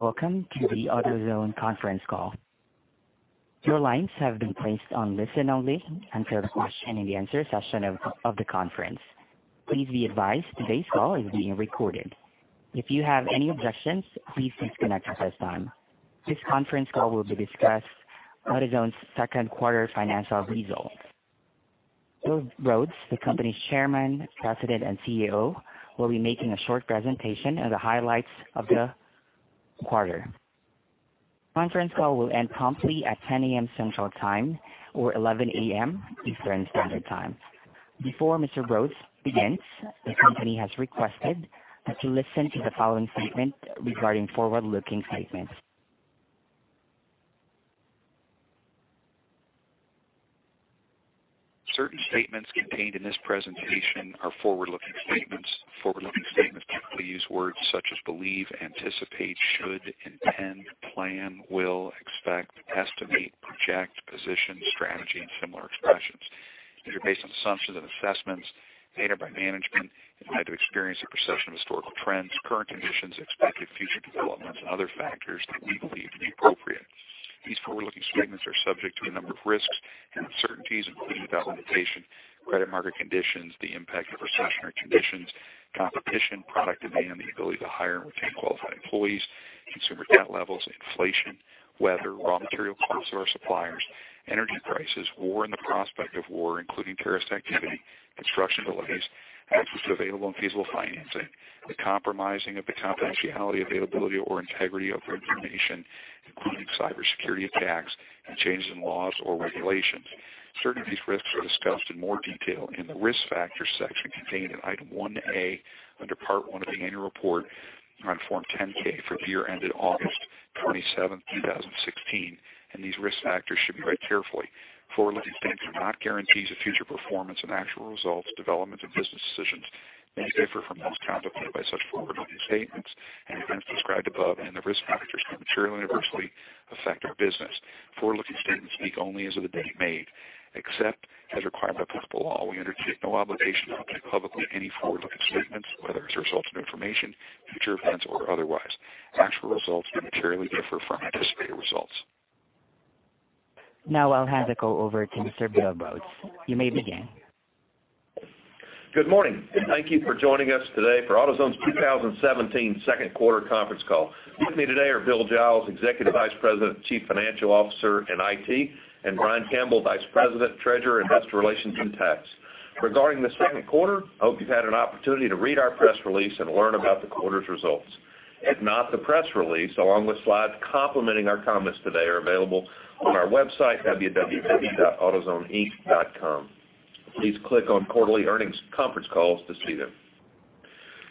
Welcome to the AutoZone conference call. Your lines have been placed on listen-only until the question and answer session of the conference. Please be advised today's call is being recorded. If you have any objections, please disconnect at this time. This conference call will discuss AutoZone's second quarter financial results. Bill Rhodes, the company's Chairman, President, and CEO, will be making a short presentation of the highlights of the quarter. The conference call will end promptly at 10:00 A.M. Central Time, or 11:00 A.M. Eastern Standard Time. Before Mr. Rhodes begins, the company has requested to listen to the following statement regarding forward-looking statements. Certain statements contained in this presentation are forward-looking statements. Forward-looking statements typically use words such as believe, anticipate, should, intend, plan, will, expect, estimate, project, position, strategy, and similar expressions. They are based on assumptions and assessments made by management in light of experience and perception of historical trends, current conditions, expected future developments, and other factors that we believe to be appropriate. These forward-looking statements are subject to a number of risks and uncertainties, including without limitation, credit market conditions, the impact of recessionary conditions, competition, product demand, the ability to hire and retain qualified employees, consumer debt levels, inflation, weather, raw material costs to our suppliers, energy prices, war and the prospect of war, including terrorist activity, construction delays, access to available and feasible financing, the compromising of the confidentiality, availability, or integrity of information, including cybersecurity attacks, and changes in laws or regulations. Certain of these risks are discussed in more detail in the Risk Factors section contained in Item 1A, under Part One of the annual report, on Form 10-K for the year ended August 27, 2016. These risk factors should be read carefully. Forward-looking statements are not guarantees of future performance. Actual results, developments, and business decisions may differ from those contemplated by such forward-looking statements and events described above in the risk factors can materially adversely affect our business. Forward-looking statements speak only as of the date made. Except as required by applicable law, we undertake no obligation to update publicly any forward-looking statements, whether as a result of new information, future events, or otherwise. Actual results may materially differ from anticipated results. Now I'll hand the call over to Mr. Bill Rhodes. You may begin. Good morning. Thank you for joining us today for AutoZone's 2017 second quarter conference call. With me today are Bill Giles, Executive Vice President, Chief Financial Officer, and IT, and Brian Campbell, Vice President, Treasurer, Investor Relations, and Tax. Regarding the second quarter, I hope you've had an opportunity to read our press release and learn about the quarter's results. If not, the press release, along with slides complementing our comments today, are available on our website, www.autozoneinc.com. Please click on Quarterly Earnings Conference Calls to see them.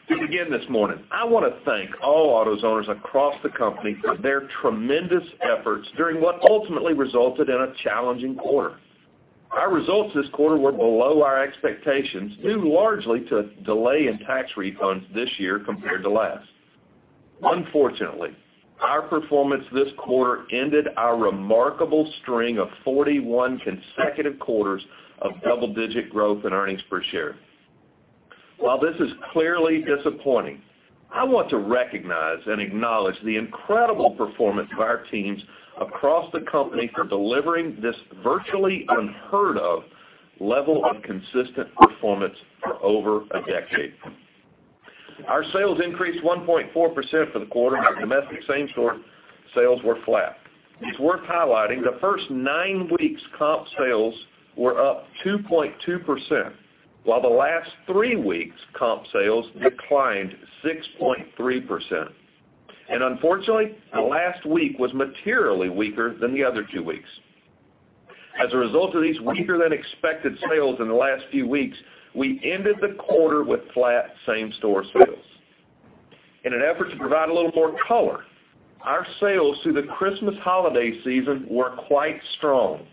To begin this morning, I want to thank all AutoZoners across the company for their tremendous efforts during what ultimately resulted in a challenging quarter. Our results this quarter were below our expectations, due largely to delay in tax refunds this year compared to last. Unfortunately, our performance this quarter ended our remarkable string of 41 consecutive quarters of double-digit growth in earnings per share. While this is clearly disappointing, I want to recognize and acknowledge the incredible performance of our teams across the company for delivering this virtually unheard-of level of consistent performance for over a decade. Our sales increased 1.4% for the quarter, but domestic same-store sales were flat. It's worth highlighting the first nine weeks comp sales were up 2.2%, while the last three weeks comp sales declined 6.3%. Unfortunately, the last week was materially weaker than the other two weeks. As a result of these weaker-than-expected sales in the last few weeks, we ended the quarter with flat same-store sales. In an effort to provide a little more color, our sales through the Christmas holiday season were quite strong.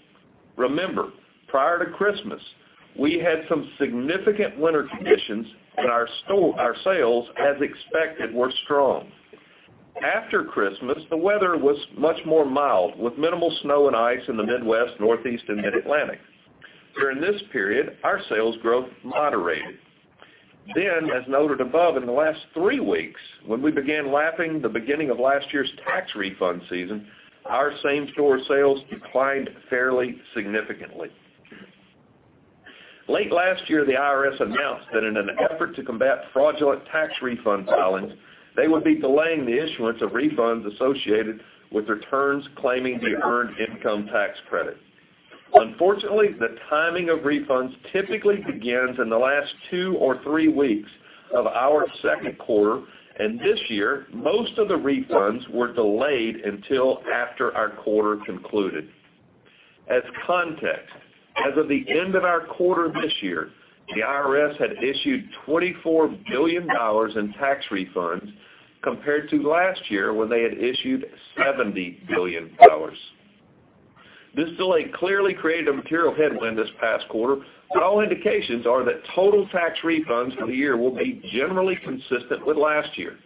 Remember, prior to Christmas, our sales, as expected, were strong. After Christmas, the weather was much more mild, with minimal snow and ice in the Midwest, Northeast, and Mid-Atlantic. During this period, our sales growth moderated. As noted above, in the last three weeks, when we began lapping the beginning of last year's tax refund season, our same-store sales declined fairly significantly. Late last year, the IRS announced that in an effort to combat fraudulent tax refund filings, they would be delaying the issuance of refunds associated with returns claiming the Earned Income Tax Credit. Unfortunately, the timing of refunds typically begins in the last two or three weeks of our second quarter. This year, most of the refunds were delayed until after our quarter concluded. As context, as of the end of our quarter this year, the IRS had issued $24 billion in tax refunds, compared to last year, when they had issued $70 billion. This delay clearly created a material headwind this past quarter. All indications are that total tax refunds for the year will be generally consistent with last year.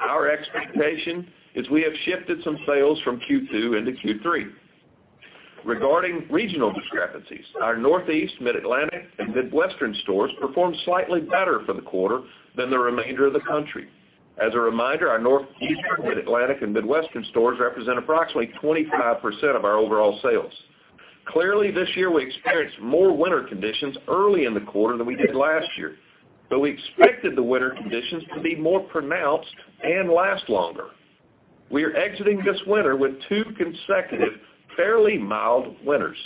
Our expectation is we have shifted some sales from Q2 into Q3. Regarding regional discrepancies, our Northeast, Mid-Atlantic, and Midwestern stores performed slightly better for the quarter than the remainder of the country. As a reminder, our Northeastern, Mid-Atlantic, and Midwestern stores represent approximately 25% of our overall sales. Clearly, this year we experienced more winter conditions early in the quarter than we did last year. We expected the winter conditions to be more pronounced and last longer. We are exiting this winter with two consecutive fairly mild winters.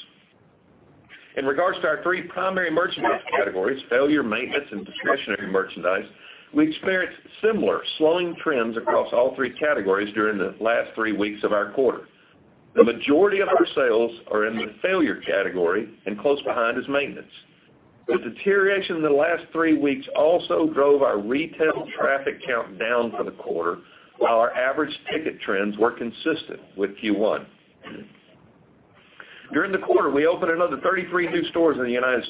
In regards to our three primary merchandise categories, failure, maintenance, and discretionary merchandise, we experienced similar slowing trends across all three categories during the last three weeks of our quarter. The majority of our sales are in the failure category, and close behind is maintenance. The deterioration in the last three weeks also drove our retail traffic count down for the quarter, while our average ticket trends were consistent with Q1. During the quarter, we opened another 33 new stores in the U.S.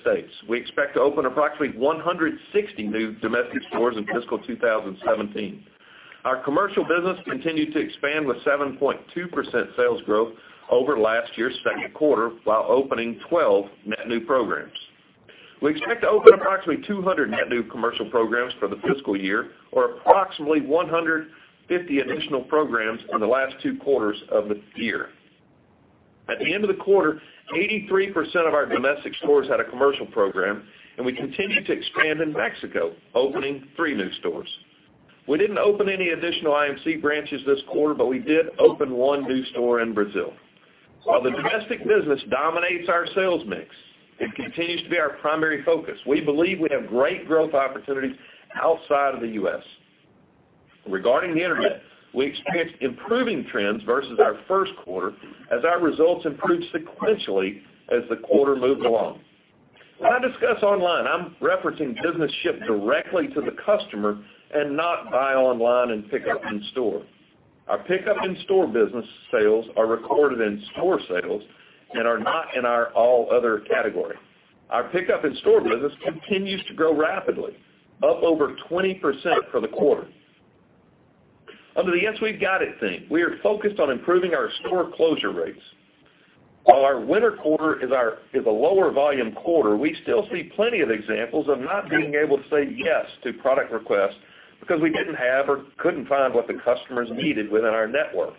We expect to open approximately 160 new domestic stores in fiscal 2017. Our commercial business continued to expand with 7.2% sales growth over last year's second quarter while opening 12 net new programs. We expect to open approximately 200 net new commercial programs for the fiscal year, or approximately 150 additional programs in the last two quarters of the year. At the end of the quarter, 83% of our domestic stores had a commercial program. We continued to expand in Mexico, opening three new stores. We didn't open any additional IMC branches this quarter, but we did open one new store in Brazil. While the domestic business dominates our sales mix and continues to be our primary focus, we believe we have great growth opportunities outside of the U.S. Regarding the internet, we experienced improving trends versus our first quarter, as our results improved sequentially as the quarter moved along. When I discuss online, I'm referencing business shipped directly to the customer and not buy online and pick up in store. Our pick up in store business sales are recorded in store sales and are not in our all other category. Our pick up in store business continues to grow rapidly, up over 20% for the quarter. Under the Yes, We've Got It theme, we are focused on improving our store closure rates. While our winter quarter is a lower volume quarter, we still see plenty of examples of not being able to say yes to product requests because we didn't have or couldn't find what the customers needed within our network.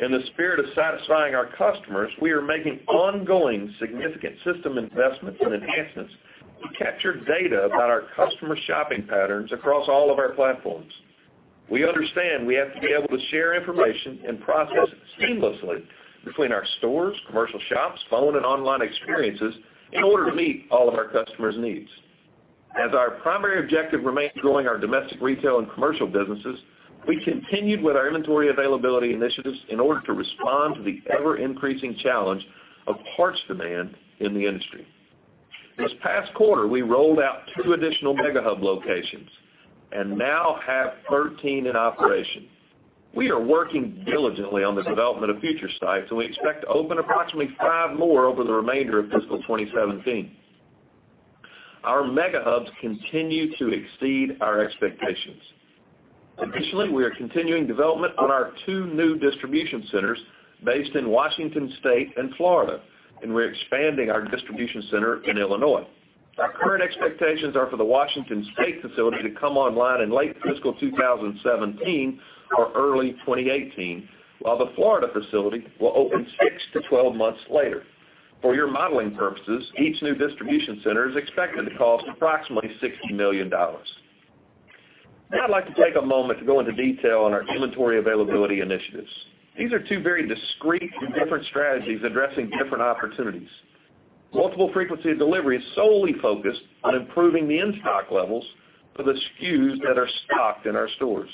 In the spirit of satisfying our customers, we are making ongoing significant system investments and enhancements to capture data about our customer shopping patterns across all of our platforms. We understand we have to be able to share information and process seamlessly between our stores, commercial shops, phone, and online experiences in order to meet all of our customers' needs. As our primary objective remains growing our domestic retail and commercial businesses, we continued with our inventory availability initiatives in order to respond to the ever-increasing challenge of parts demand in the industry. This past quarter, we rolled out two additional Mega Hub locations and now have 13 in operation. We are working diligently on the development of future sites, and we expect to open approximately five more over the remainder of fiscal 2017. Our Mega Hubs continue to exceed our expectations. We are continuing development on our two new distribution centers based in Washington State and Florida, and we're expanding our distribution center in Illinois. Our current expectations are for the Washington State facility to come online in late fiscal 2017 or early 2018, while the Florida facility will open 6 to 12 months later. For your modeling purposes, each new distribution center is expected to cost approximately $60 million. Now I'd like to take a moment to go into detail on our inventory availability initiatives. These are two very discreet and different strategies addressing different opportunities. Multiple frequency of delivery is solely focused on improving the in-stock levels for the SKUs that are stocked in our stores.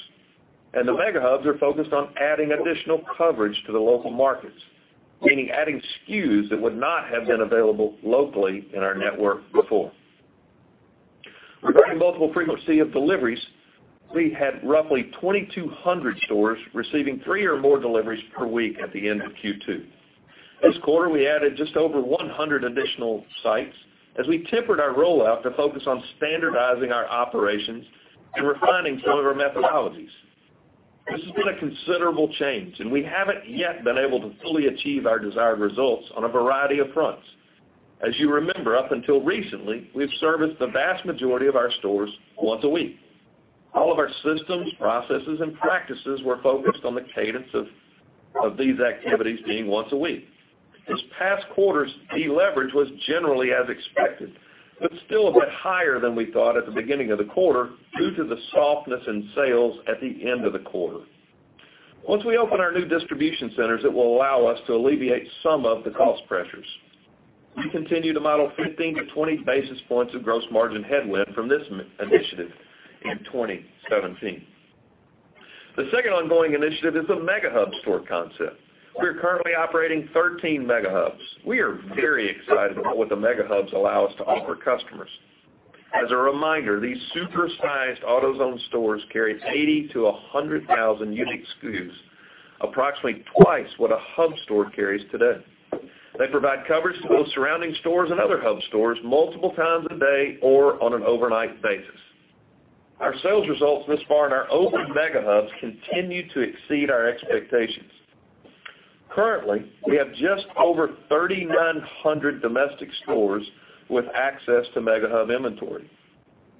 The Mega Hubs are focused on adding additional coverage to the local markets, meaning adding SKUs that would not have been available locally in our network before. Regarding multiple frequency of deliveries, we had roughly 2,200 stores receiving three or more deliveries per week at the end of Q2. This quarter, we added just over 100 additional sites as we tempered our rollout to focus on standardizing our operations and refining some of our methodologies. This has been a considerable change, and we haven't yet been able to fully achieve our desired results on a variety of fronts. As you remember, up until recently, we've serviced the vast majority of our stores once a week. All of our systems, processes, and practices were focused on the cadence of these activities being once a week. This past quarter's deleverage was generally as expected, but still a bit higher than we thought at the beginning of the quarter due to the softness in sales at the end of the quarter. Once we open our new distribution centers, it will allow us to alleviate some of the cost pressures. We continue to model 15-20 basis points of gross margin headwind from this initiative in 2017. The second ongoing initiative is the Mega Hub store concept. We are currently operating 13 Mega Hubs. We are very excited about what the Mega Hubs allow us to offer customers. As a reminder, these super-sized AutoZone stores carry 80,000-100,000 unique SKUs, approximately twice what a hub store carries today. They provide coverage to both surrounding stores and other hub stores multiple times a day or on an overnight basis. Our sales results thus far in our open Mega Hubs continue to exceed our expectations. Currently, we have just over 3,900 domestic stores with access to Mega Hub inventory.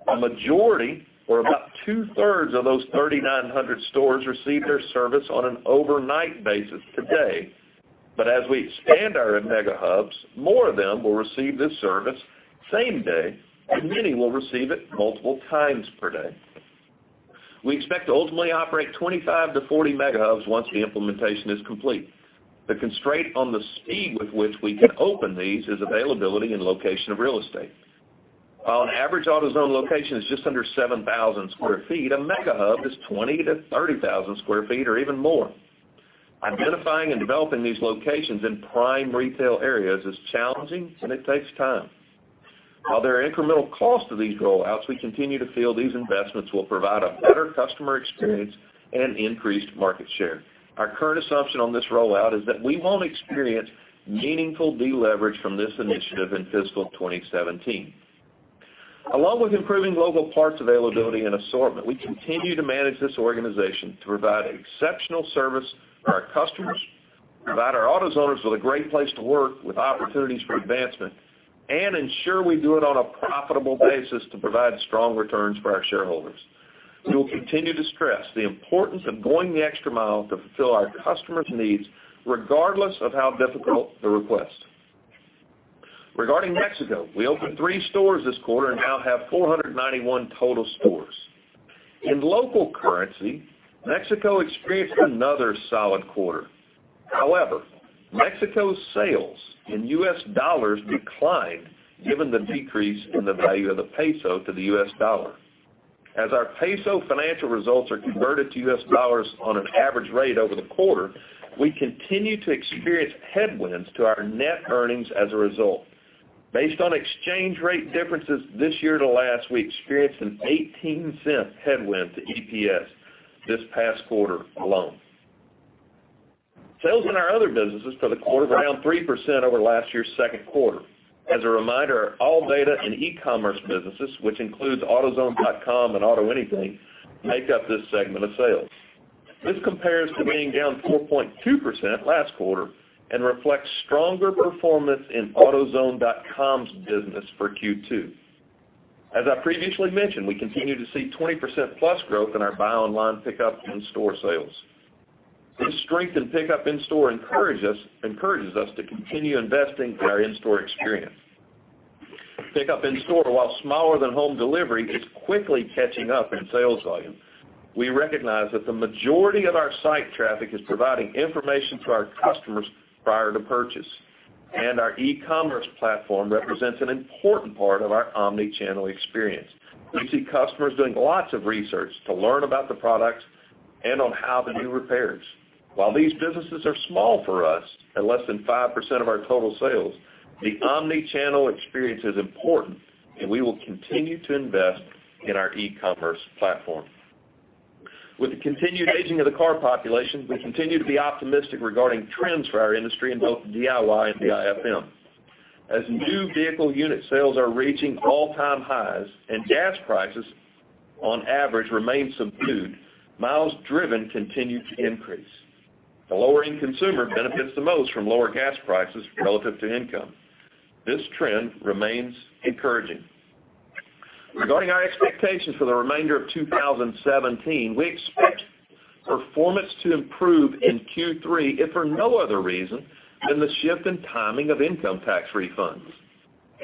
A majority, or about two-thirds of those 3,900 stores, receive their service on an overnight basis today. As we expand our Mega Hubs, more of them will receive this service same day, and many will receive it multiple times per day. We expect to ultimately operate 25-40 Mega Hubs once the implementation is complete. The constraint on the speed with which we can open these is availability and location of real estate. While an average AutoZone location is just under 7,000 sq ft, a Mega Hub is 20,000-30,000 sq ft or even more. Identifying and developing these locations in prime retail areas is challenging, and it takes time. While there are incremental costs to these rollouts, we continue to feel these investments will provide a better customer experience and increased market share. Our current assumption on this rollout is that we won't experience meaningful deleverage from this initiative in fiscal 2017. Along with improving local parts availability and assortment, we continue to manage this organization to provide exceptional service to our customers, provide our AutoZoners with a great place to work with opportunities for advancement, and ensure we do it on a profitable basis to provide strong returns for our shareholders. We will continue to stress the importance of going the extra mile to fulfill our customers' needs, regardless of how difficult the request. Regarding Mexico, we opened three stores this quarter and now have 491 total stores. In local currency, Mexico experienced another solid quarter. However, Mexico's sales in US dollars declined given the decrease in the value of the peso to the US dollar. As our peso financial results are converted to US dollars on an average rate over the quarter, we continue to experience headwinds to our net earnings as a result. Based on exchange rate differences this year to last, we experienced an $0.18 headwind to EPS this past quarter alone. Sales in our other businesses for the quarter were down 3% over last year's second quarter. As a reminder, our ALLDATA and e-commerce businesses, which includes AutoZone.com and AutoAnything, make up this segment of sales. This compares to being down 4.2% last quarter and reflects stronger performance in AutoZone.com's business for Q2. As I previously mentioned, we continue to see 20%-plus growth in our buy online, pickup in store sales. This strength in pickup in store encourages us to continue investing in our in-store experience. Pickup in store, while smaller than home delivery, is quickly catching up in sales volume. We recognize that the majority of our site traffic is providing information to our customers prior to purchase, and our e-commerce platform represents an important part of our omnichannel experience. We see customers doing lots of research to learn about the products and on how to do repairs. While these businesses are small for us, at less than 5% of our total sales, the omnichannel experience is important, and we will continue to invest in our e-commerce platform. With the continued aging of the car population, we continue to be optimistic regarding trends for our industry in both DIY and DIFM. As new vehicle unit sales are reaching all-time highs and gas prices, on average, remain subdued, miles driven continue to increase. The lower-end consumer benefits the most from lower gas prices relative to income. This trend remains encouraging. Regarding our expectations for the remainder of 2017, we expect performance to improve in Q3, if for no other reason than the shift in timing of income tax refunds.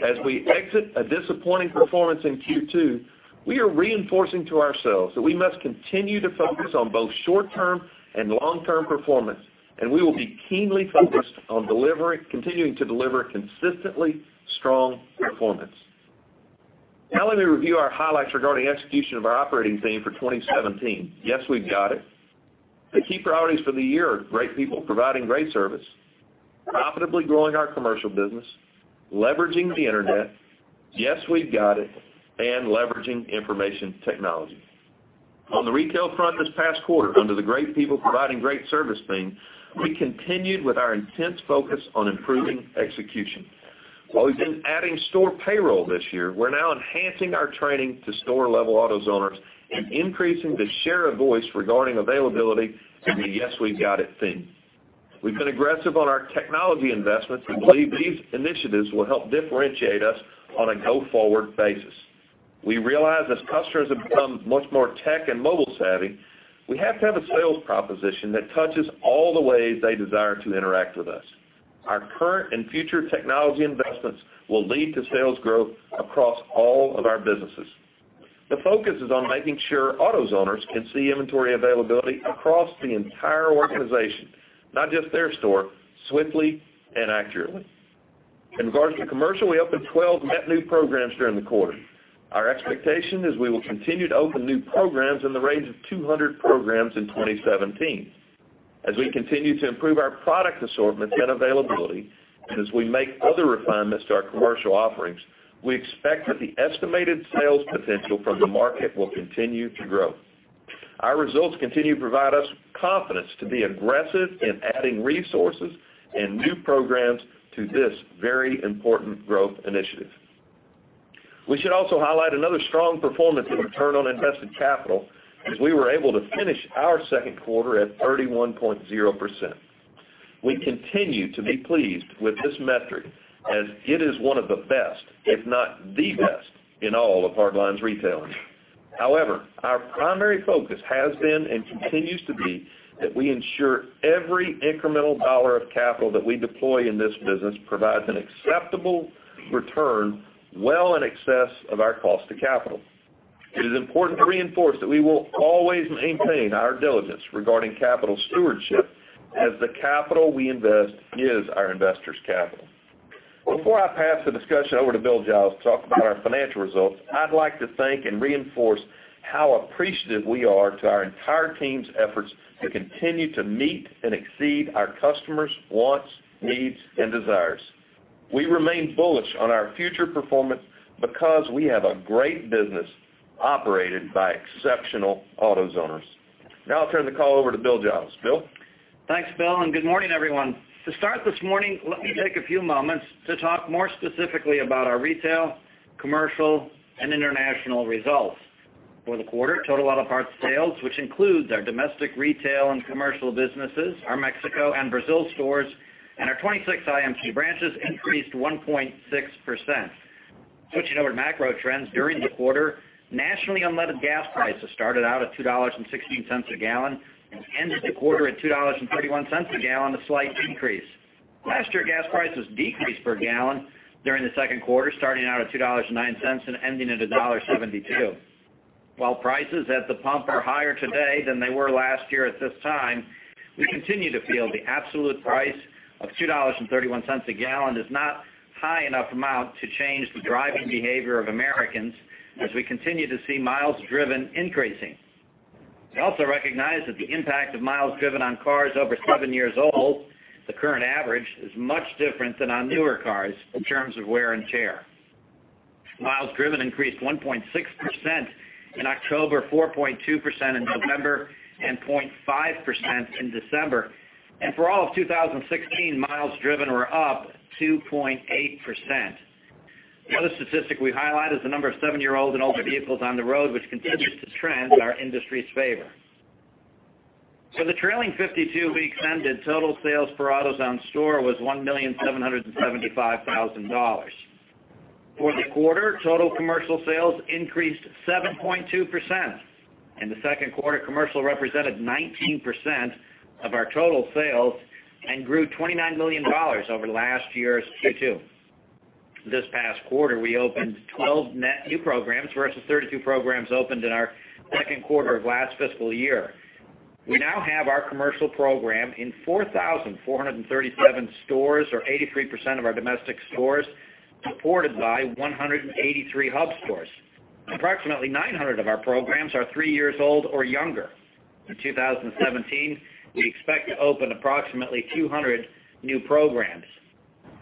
As we exit a disappointing performance in Q2, we are reinforcing to ourselves that we must continue to focus on both short-term and long-term performance, and we will be keenly focused on continuing to deliver consistently strong performance. Now let me review our highlights regarding execution of our operating theme for 2017: Yes, We've Got It. The key priorities for the year are great people providing great service, profitably growing our commercial business, leveraging the internet, Yes, We've Got It, and leveraging information technology. On the retail front this past quarter, under the great people providing great service theme, we continued with our intense focus on improving execution. While we've been adding store payroll this year, we're now enhancing our training to store-level AutoZoners and increasing the share of voice regarding availability to the Yes, We've Got It theme. We've been aggressive on our technology investments and believe these initiatives will help differentiate us on a go-forward basis. We realize as customers have become much more tech and mobile savvy, we have to have a sales proposition that touches all the ways they desire to interact with us. Our current and future technology investments will lead to sales growth across all of our businesses. The focus is on making sure AutoZoners can see inventory availability across the entire organization, not just their store, swiftly and accurately. In regards to commercial, we opened 12 net new programs during the quarter. Our expectation is we will continue to open new programs in the range of 200 programs in 2017. As we continue to improve our product assortments and availability, and as we make other refinements to our commercial offerings, we expect that the estimated sales potential from the market will continue to grow. Our results continue to provide us confidence to be aggressive in adding resources and new programs to this very important growth initiative. We should also highlight another strong performance in return on invested capital, as we were able to finish our second quarter at 31.0%. We continue to be pleased with this metric as it is one of the best, if not the best, in all of hardlines retailing. Our primary focus has been and continues to be that we ensure every incremental dollar of capital that we deploy in this business provides an acceptable return well in excess of our cost to capital. It is important to reinforce that we will always maintain our diligence regarding capital stewardship, as the capital we invest is our investors' capital. Before I pass the discussion over to Bill Giles to talk about our financial results, I'd like to thank and reinforce how appreciative we are to our entire team's efforts to continue to meet and exceed our customers' wants, needs, and desires. We remain bullish on our future performance because we have a great business operated by exceptional AutoZoners. I'll turn the call over to Bill Giles. Bill? Thanks, Bill, good morning, everyone. To start this morning, let me take a few moments to talk more specifically about our retail, commercial, and international results. For the quarter, total auto parts sales, which includes our domestic retail and commercial businesses, our Mexico and Brazil stores, and our 26 IMC branches, increased 1.6%. Switching over to macro trends during the quarter, nationally unleaded gas prices started out at $2.16 a gallon and ended the quarter at $2.31 a gallon, a slight decrease. Last year, gas prices decreased per gallon during the second quarter, starting out at $2.09 and ending at $1.72. While prices at the pump are higher today than they were last year at this time, we continue to feel the absolute price of $2.31 a gallon is not a high enough amount to change the driving behavior of Americans as we continue to see miles driven increasing. We also recognize that the impact of miles driven on cars over seven years old, the current average, is much different than on newer cars in terms of wear and tear. Miles driven increased 1.6% in October, 4.2% in November, and 0.5% in December. For all of 2016, miles driven were up 2.8%. The other statistic we highlight is the number of seven-year-old and older vehicles on the road, which continues to trend in our industry's favor. For the trailing 52 weeks ended, total sales per AutoZone store was $1,775,000. For the quarter, total commercial sales increased 7.2%. In the second quarter, commercial represented 19% of our total sales and grew $29 million over last year's Q2. This past quarter, we opened 12 net new programs, versus 32 programs opened in our second quarter of last fiscal year. We now have our commercial program in 4,437 stores, or 83% of our domestic stores, supported by 183 hub stores. Approximately 900 of our programs are three years old or younger. In 2017, we expect to open approximately 200 new programs.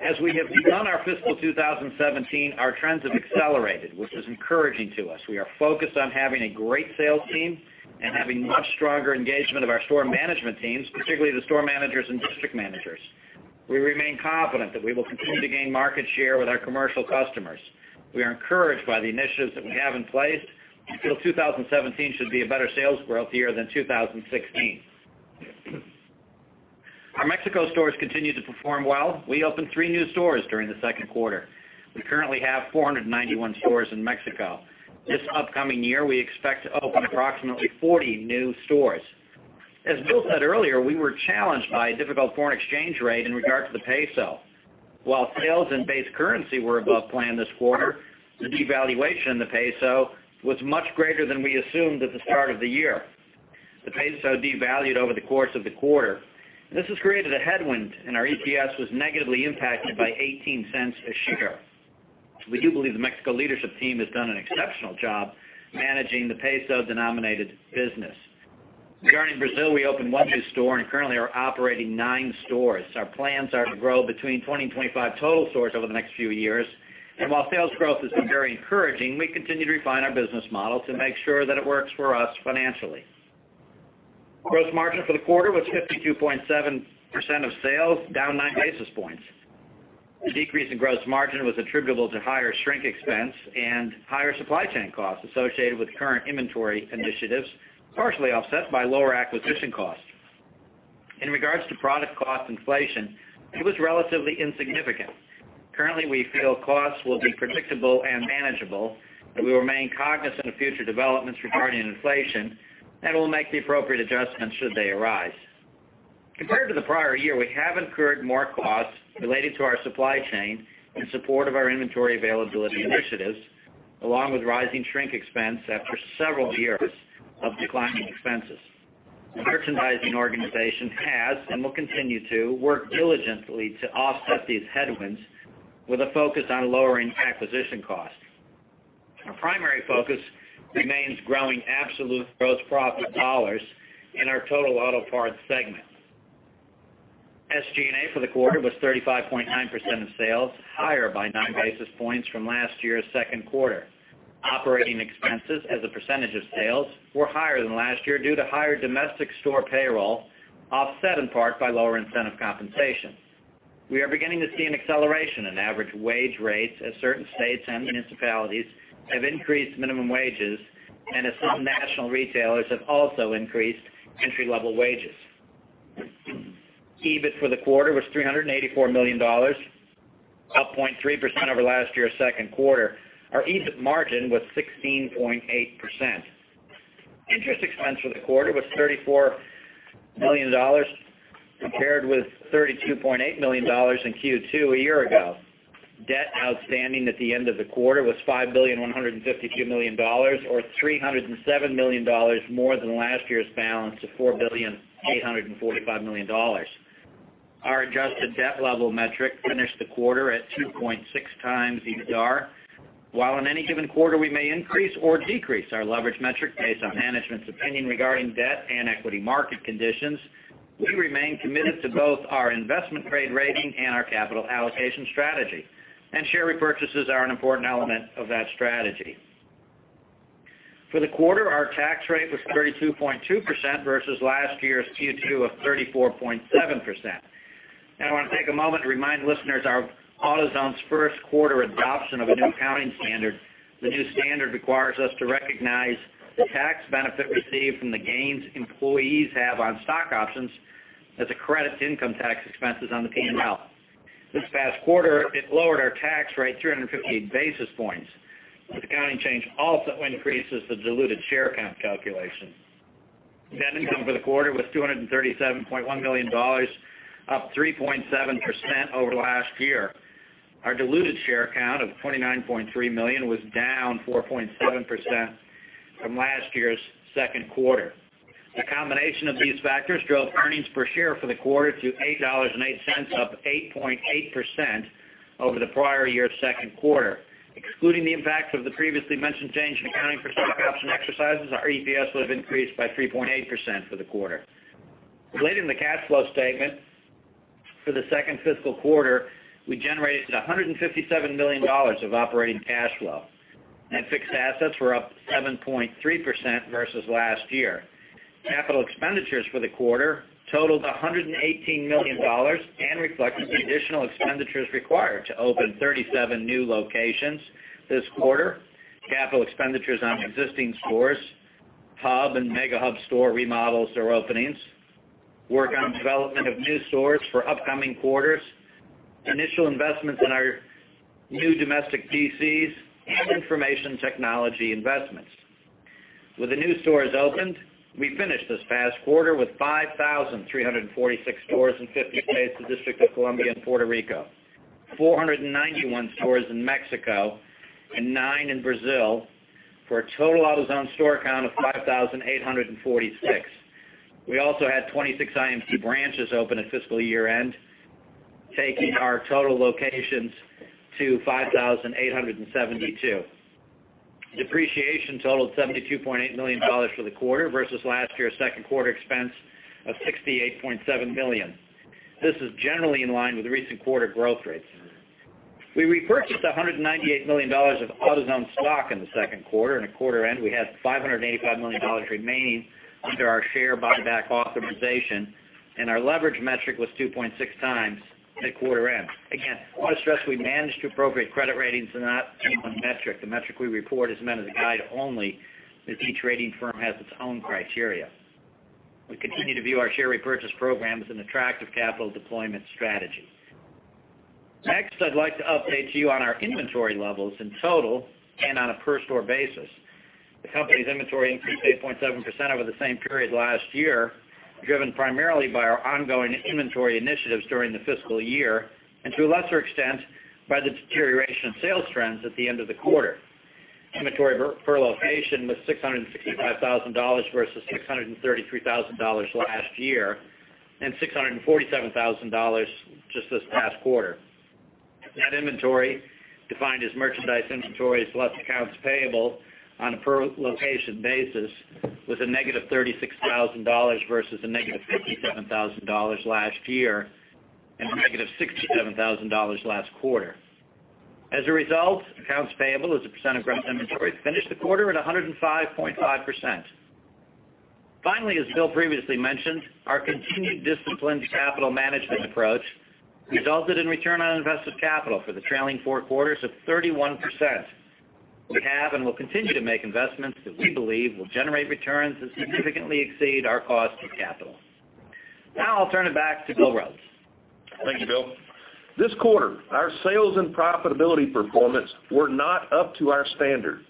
As we have begun our fiscal 2017, our trends have accelerated, which is encouraging to us. We are focused on having a great sales team and having much stronger engagement of our store management teams, particularly the store managers and district managers. We remain confident that we will continue to gain market share with our commercial customers. We are encouraged by the initiatives that we have in place and feel 2017 should be a better sales growth year than 2016. Our Mexico stores continue to perform well. We opened three new stores during the second quarter. We currently have 491 stores in Mexico. This upcoming year, we expect to open approximately 40 new stores. As Bill said earlier, we were challenged by a difficult foreign exchange rate in regards to the peso. While sales and base currency were above plan this quarter, the devaluation in the peso was much greater than we assumed at the start of the year. The peso devalued over the course of the quarter, this has created a headwind, and our EPS was negatively impacted by $0.18 a share. We do believe the Mexico leadership team has done an exceptional job managing the peso-denominated business. Regarding Brazil, we opened one new store and currently are operating nine stores. Our plans are to grow between 20 and 25 total stores over the next few years. While sales growth has been very encouraging, we continue to refine our business model to make sure that it works for us financially. Gross margin for the quarter was 52.7% of sales, down nine basis points. The decrease in gross margin was attributable to higher shrink expense and higher supply chain costs associated with current inventory initiatives, partially offset by lower acquisition costs. In regards to product cost inflation, it was relatively insignificant. Currently, we feel costs will be predictable and manageable, but we remain cognizant of future developments regarding inflation and will make the appropriate adjustments should they arise. Compared to the prior year, we have incurred more costs related to our supply chain in support of our inventory availability initiatives, along with rising shrink expense after several years of declining expenses. The merchandising organization has, and will continue to, work diligently to offset these headwinds with a focus on lowering acquisition costs. Our primary focus remains growing absolute gross profit dollars in our total auto parts segment. SG&A for the quarter was 35.9% of sales, higher by nine basis points from last year's second quarter. Operating expenses as a percentage of sales were higher than last year due to higher domestic store payroll, offset in part by lower incentive compensation. We are beginning to see an acceleration in average wage rates as certain states and municipalities have increased minimum wages and as some national retailers have also increased entry-level wages. EBIT for the quarter was $384 million, up 0.3% over last year's second quarter. Our EBIT margin was 16.8%. Interest expense for the quarter was $34 million compared with $32.8 million in Q2 a year ago. Debt outstanding at the end of the quarter was $5.152 billion, or $307 million more than last year's balance of $4.845 billion. Our adjusted debt level metric finished the quarter at 2.6 times EBITDA. While in any given quarter, we may increase or decrease our leverage metric based on management's opinion regarding debt and equity market conditions, we remain committed to both our investment grade rating and our capital allocation strategy, and share repurchases are an important element of that strategy. For the quarter, our tax rate was 32.2% versus last year's Q2 of 34.7%. I want to take a moment to remind listeners our AutoZone's first quarter adoption of a new accounting standard. The new standard requires us to recognize the tax benefit received from the gains employees have on stock options as a credit to income tax expenses on the P&L. This past quarter, it lowered our tax rate 358 basis points. The accounting change also increases the diluted share count calculation. Net income for the quarter was $237.1 million, up 3.7% over last year. Our diluted share count of 29.3 million was down 4.7% from last year's second quarter. The combination of these factors drove earnings per share for the quarter to $8.08, up 8.8% over the prior year's second quarter. Excluding the impact of the previously mentioned change in accounting for stock option exercises, our EPS would have increased by 3.8% for the quarter. Looking at the cash flow statement for the second fiscal quarter, we generated $157 million of operating cash flow, and fixed assets were up 7.3% versus last year. Capital expenditures for the quarter totaled $118 million and reflected the additional expenditures required to open 37 new locations this quarter. Capital expenditures on existing stores, hub and Mega Hub store remodels or openings, work on development of new stores for upcoming quarters, initial investments in our new domestic DCs, and information technology investments. With the new stores opened, we finished this past quarter with 5,346 stores in 50 states, the District of Columbia and Puerto Rico, 491 stores in Mexico, and nine in Brazil, for a total AutoZone store count of 5,846. We also had 26 IMC branches open at fiscal year-end, taking our total locations to 5,872. Depreciation totaled $72.8 million for the quarter versus last year's second quarter expense of $68.7 million. This is generally in line with the recent quarter growth rates. We repurchased $198 million of AutoZone stock in the second quarter, and at quarter end, we had $585 million remaining under our share buyback authorization, and our leverage metric was 2.6 times at quarter end. Again, I want to stress we manage to appropriate credit ratings and not any one metric. The metric we report is meant as a guide only, as each rating firm has its own criteria. We continue to view our share repurchase program as an attractive capital deployment strategy. Next, I'd like to update you on our inventory levels in total and on a per store basis. The company's inventory increased 8.7% over the same period last year, driven primarily by our ongoing inventory initiatives during the fiscal year and to a lesser extent, by the deterioration of sales trends at the end of the quarter. Inventory per location was $665,000 versus $633,000 last year and $647,000 just this past quarter. Net inventory, defined as merchandise inventories less accounts payable on a per location basis, was a negative $36,000 versus a negative $57,000 last year and a negative $67,000 last quarter. As a result, accounts payable as a percent of gross inventories finished the quarter at 105.5%. Finally, as Bill previously mentioned, our continued disciplined capital management approach resulted in return on invested capital for the trailing four quarters of 31%. We have and will continue to make investments that we believe will generate returns that significantly exceed our cost of capital. Now I'll turn it back to Bill Rhodes. Thank you, Bill. This quarter, our sales and profitability performance were not up to our standard.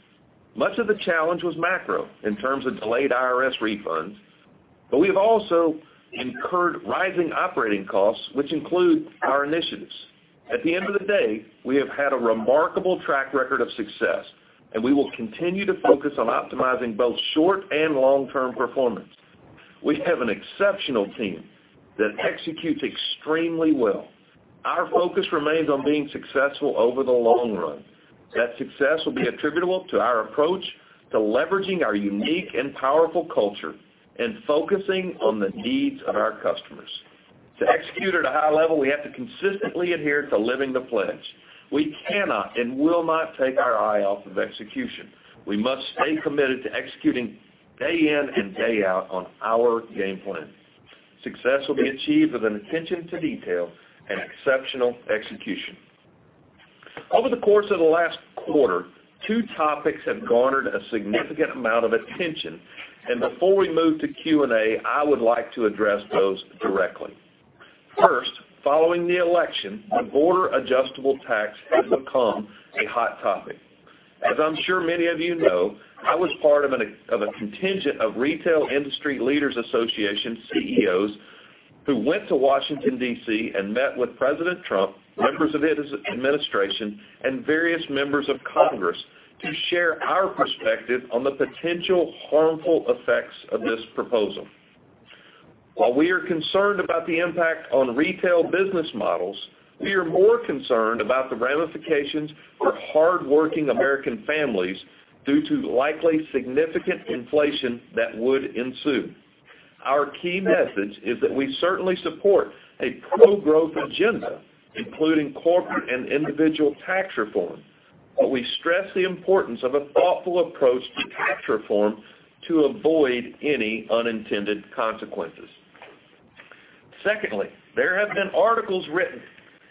Much of the challenge was macro in terms of delayed IRS refunds. We have also incurred rising operating costs, which include our initiatives. At the end of the day, we have had a remarkable track record of success. We will continue to focus on optimizing both short and long-term performance. We have an exceptional team that executes extremely well. Our focus remains on being successful over the long run. That success will be attributable to our approach to leveraging our unique and powerful culture and focusing on the needs of our customers. To execute at a high level, we have to consistently adhere to living the pledge. We cannot and will not take our eye off of execution. We must stay committed to executing day in and day out on our game plan. Success will be achieved with an attention to detail and exceptional execution. Over the course of the last quarter, two topics have garnered a significant amount of attention. Before we move to Q&A, I would like to address those directly. First, following the election, the border-adjustment tax has become a hot topic. As I'm sure many of you know, I was part of a contingent of Retail Industry Leaders Association CEOs who went to Washington, D.C., and met with President Trump, members of his administration, and various members of Congress to share our perspective on the potential harmful effects of this proposal. While we are concerned about the impact on retail business models, we are more concerned about the ramifications for hardworking American families due to likely significant inflation that would ensue. Our key message is that we certainly support a pro-growth agenda, including corporate and individual tax reform, but we stress the importance of a thoughtful approach to tax reform to avoid any unintended consequences. Secondly, there have been articles written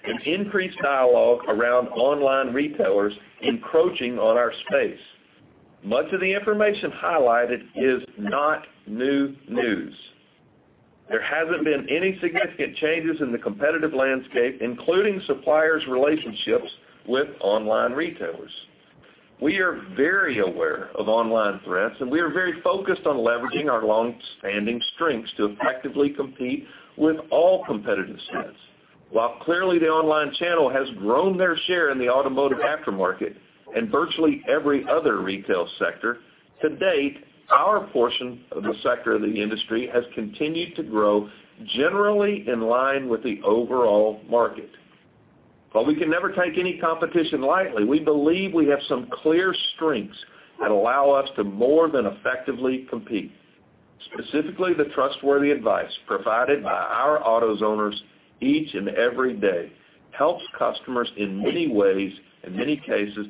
and increased dialogue around online retailers encroaching on our space. Much of the information highlighted is not new news. There hasn't been any significant changes in the competitive landscape, including suppliers' relationships with online retailers. We are very aware of online threats, and we are very focused on leveraging our longstanding strengths to effectively compete with all competitive sets. While clearly the online channel has grown their share in the automotive aftermarket and virtually every other retail sector, to date, our portion of the sector of the industry has continued to grow generally in line with the overall market. While we can never take any competition lightly, we believe we have some clear strengths that allow us to more than effectively compete, specifically the trustworthy advice provided by our AutoZoners each and every day helps customers in many ways, in many cases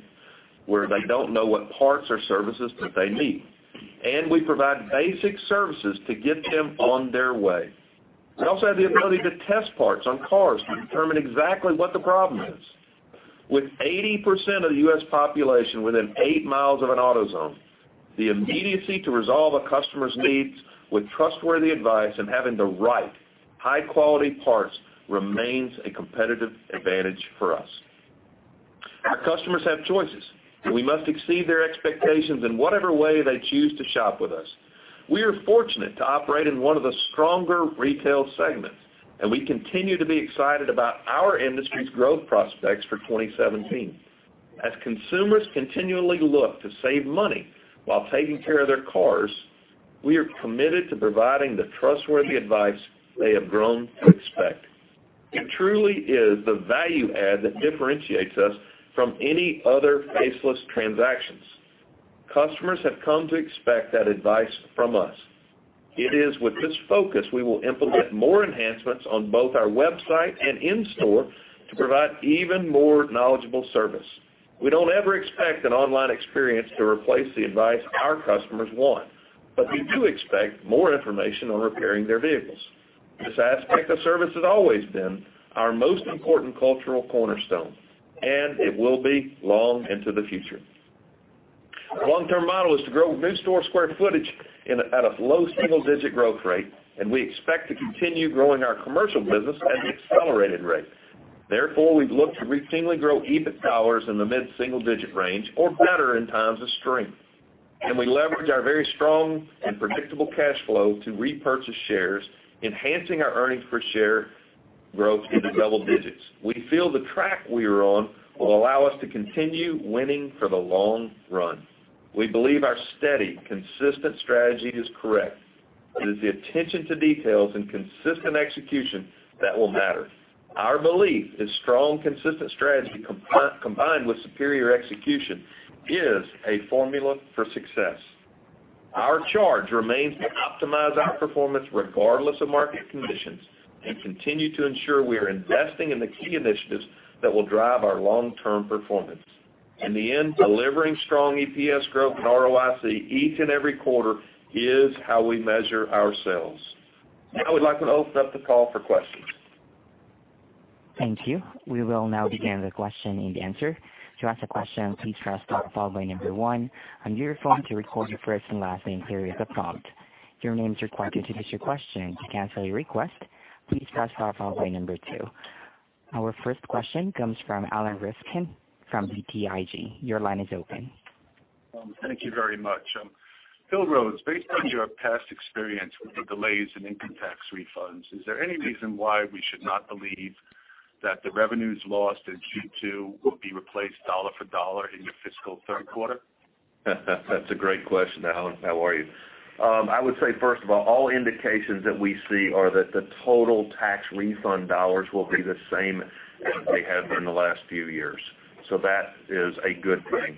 where they don't know what parts or services that they need. We provide basic services to get them on their way. We also have the ability to test parts on cars to determine exactly what the problem is. With 80% of the U.S. population within eight miles of an AutoZone, the immediacy to resolve a customer's needs with trustworthy advice and having the right high-quality parts remains a competitive advantage for us. Our customers have choices, and we must exceed their expectations in whatever way they choose to shop with us. We are fortunate to operate in one of the stronger retail segments, and we continue to be excited about our industry's growth prospects for 2017. As consumers continually look to save money while taking care of their cars, we are committed to providing the trustworthy advice they have grown to expect. It truly is the value add that differentiates us from any other faceless transactions. Customers have come to expect that advice from us. It is with this focus we will implement more enhancements on both our website and in-store to provide even more knowledgeable service. We don't ever expect an online experience to replace the advice our customers want, but they do expect more information on repairing their vehicles. This aspect of service has always been our most important cultural cornerstone, and it will be long into the future. Our long-term model is to grow new store square footage at a low single-digit growth rate, and we expect to continue growing our commercial business at an accelerated rate. Therefore, we look to routinely grow EBIT dollars in the mid-single digit range or better in times of strength. We leverage our very strong and predictable cash flow to repurchase shares, enhancing our earnings per share growth into double digits. We feel the track we are on will allow us to continue winning for the long run. We believe our steady, consistent strategy is correct. It is the attention to details and consistent execution that will matter. Our belief is strong, consistent strategy combined with superior execution is a formula for success. Our charge remains to optimize our performance regardless of market conditions and continue to ensure we are investing in the key initiatives that will drive our long-term performance. In the end, delivering strong EPS growth and ROIC each and every quarter is how we measure ourselves. Now I would like to open up the call for questions. Thank you. We will now begin the question and answer. To ask a question, please press star followed by one. On your phone to record your first and last name, say yes at prompt. Your name is required to release your question. To cancel your request, please press star followed by two. Our first question comes from Alan Rifkin from BTIG. Your line is open. Thank you very much. Bill Rhodes, based on your past experience with the delays in income tax refunds, is there any reason why we should not believe that the revenues lost in Q2 will be replaced dollar for dollar in your fiscal third quarter? That's a great question, Alan. How are you? I would say, first of all indications that we see are that the total tax refund dollars will be the same as they have been the last few years. That is a good thing.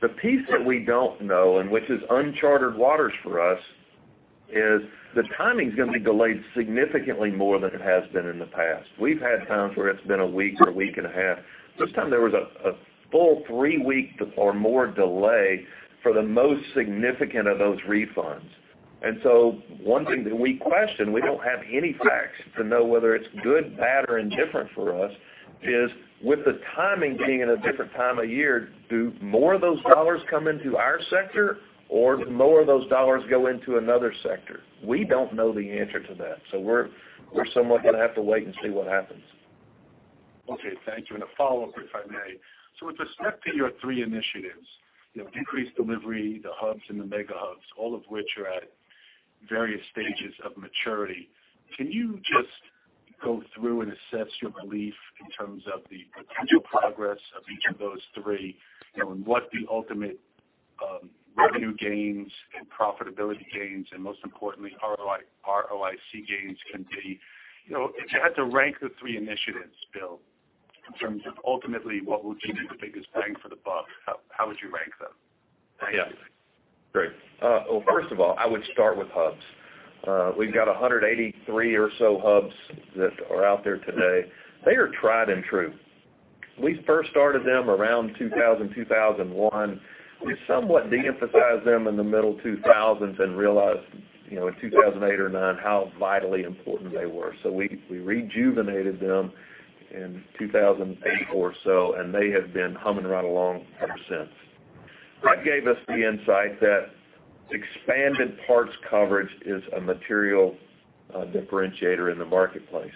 The piece that we don't know, and which is unchartered waters for us, is the timing's going to be delayed significantly more than it has been in the past. We've had times where it's been a week or a week and a half. This time there was a full three-week or more delay for the most significant of those refunds. One thing that we question, we don't have any facts to know whether it's good, bad, or indifferent for us, is with the timing being in a different time of year, do more of those dollars come into our sector, or do more of those dollars go into another sector? We don't know the answer to that. We're somewhat going to have to wait and see what happens. Okay. Thank you. A follow-up, if I may. With respect to your three initiatives, increased delivery, the Hubs and the Mega Hubs, all of which are at various stages of maturity, can you just go through and assess your belief in terms of the potential progress of each of those three, and what the ultimate revenue gains and profitability gains, and most importantly, ROIC gains can be? If you had to rank the three initiatives, Bill, in terms of ultimately what would be the biggest bang for the buck, how would you rank them? Thank you. Yeah. Great. Well, first of all, I would start with Hubs. We've got 183 or so Hubs that are out there today. They are tried and true. We first started them around 2000, 2001. We somewhat de-emphasized them in the middle 2000s and realized, in 2008 or nine, how vitally important they were. We rejuvenated them in 2008 or so, and they have been humming right along ever since. That gave us the insight that expanded parts coverage is a material differentiator in the marketplace.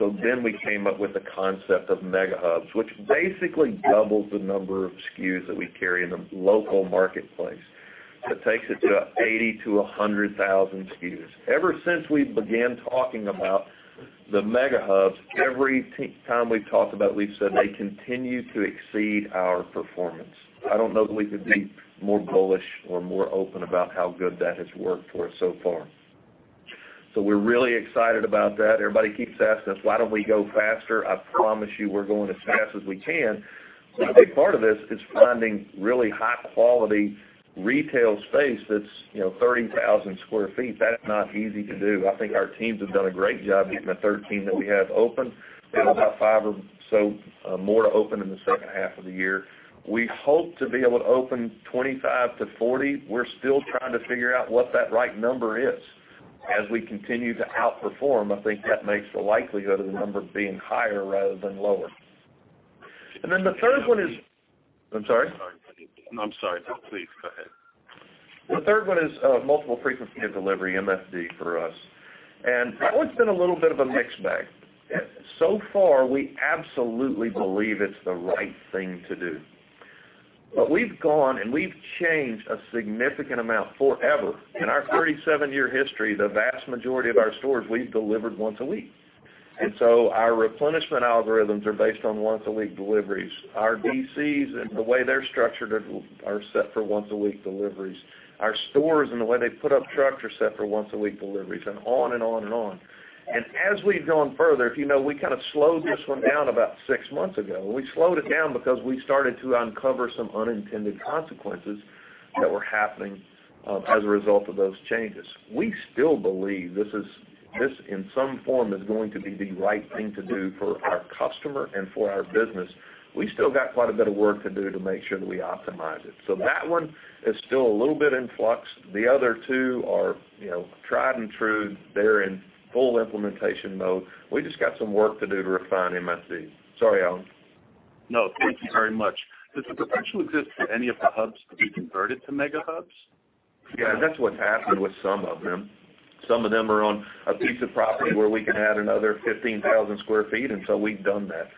We came up with the concept of Mega Hubs, which basically doubles the number of SKUs that we carry in the local marketplace. It takes it to 80 to 100,000 SKUs. Ever since we began talking about the Mega Hubs, every time we've talked about it, we've said they continue to exceed our performance. I don't know that we could be more bullish or more open about how good that has worked for us so far. We're really excited about that. Everybody keeps asking us, why don't we go faster? I promise you, we're going as fast as we can. A big part of this is finding really high-quality retail space that's 30,000 square feet. That's not easy to do. I think our teams have done a great job getting the 13 that we have open. We have about five or so more to open in the second half of the year. We hope to be able to open 25 to 40. We're still trying to figure out what that right number is. As we continue to outperform, I think that makes the likelihood of the number being higher rather than lower. The third one is-- I'm sorry? I'm sorry. Please go ahead. The third one is multiple frequency of delivery, MFD for us. That one's been a little bit of a mixed bag. So far, we absolutely believe it's the right thing to do. We've gone and we've changed a significant amount forever. In our 37-year history, the vast majority of our stores we've delivered once a week. Our replenishment algorithms are based on once-a-week deliveries. Our DCs and the way they're structured are set for once-a-week deliveries. Our stores and the way they put up trucks are set for once-a-week deliveries, and on and on and on. As we've gone further, if you know, we kind of slowed this one down about six months ago. We slowed it down because we started to uncover some unintended consequences that were happening as a result of those changes. We still believe this, in some form, is going to be the right thing to do for our customer and for our business. We still got quite a bit of work to do to make sure that we optimize it. That one is still a little bit in flux. The other two are tried and true. They're in full implementation mode. We just got some work to do to refine MFD. Sorry, Alan. No, thank you very much. Does the potential exist for any of the hubs to be converted to Mega Hubs? Yeah, that's what's happened with some of them. Some of them are on a piece of property where we can add another 15,000 square feet, so we've done that.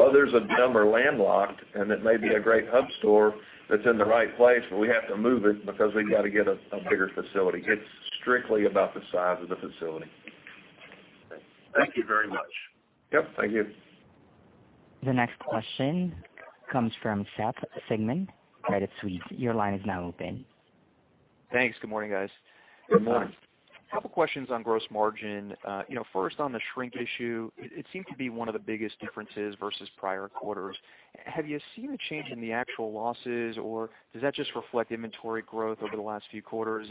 Others of them are landlocked, it may be a great hub store that's in the right place, we have to move it because we've got to get a bigger facility. It's strictly about the size of the facility. Thank you very much. Yep. Thank you. The next question comes from Seth Sigman, Credit Suisse. Your line is now open. Thanks. Good morning, guys. Good morning. Couple questions on gross margin. First, on the shrink issue, it seemed to be one of the biggest differences versus prior quarters. Have you seen a change in the actual losses, or does that just reflect inventory growth over the last few quarters?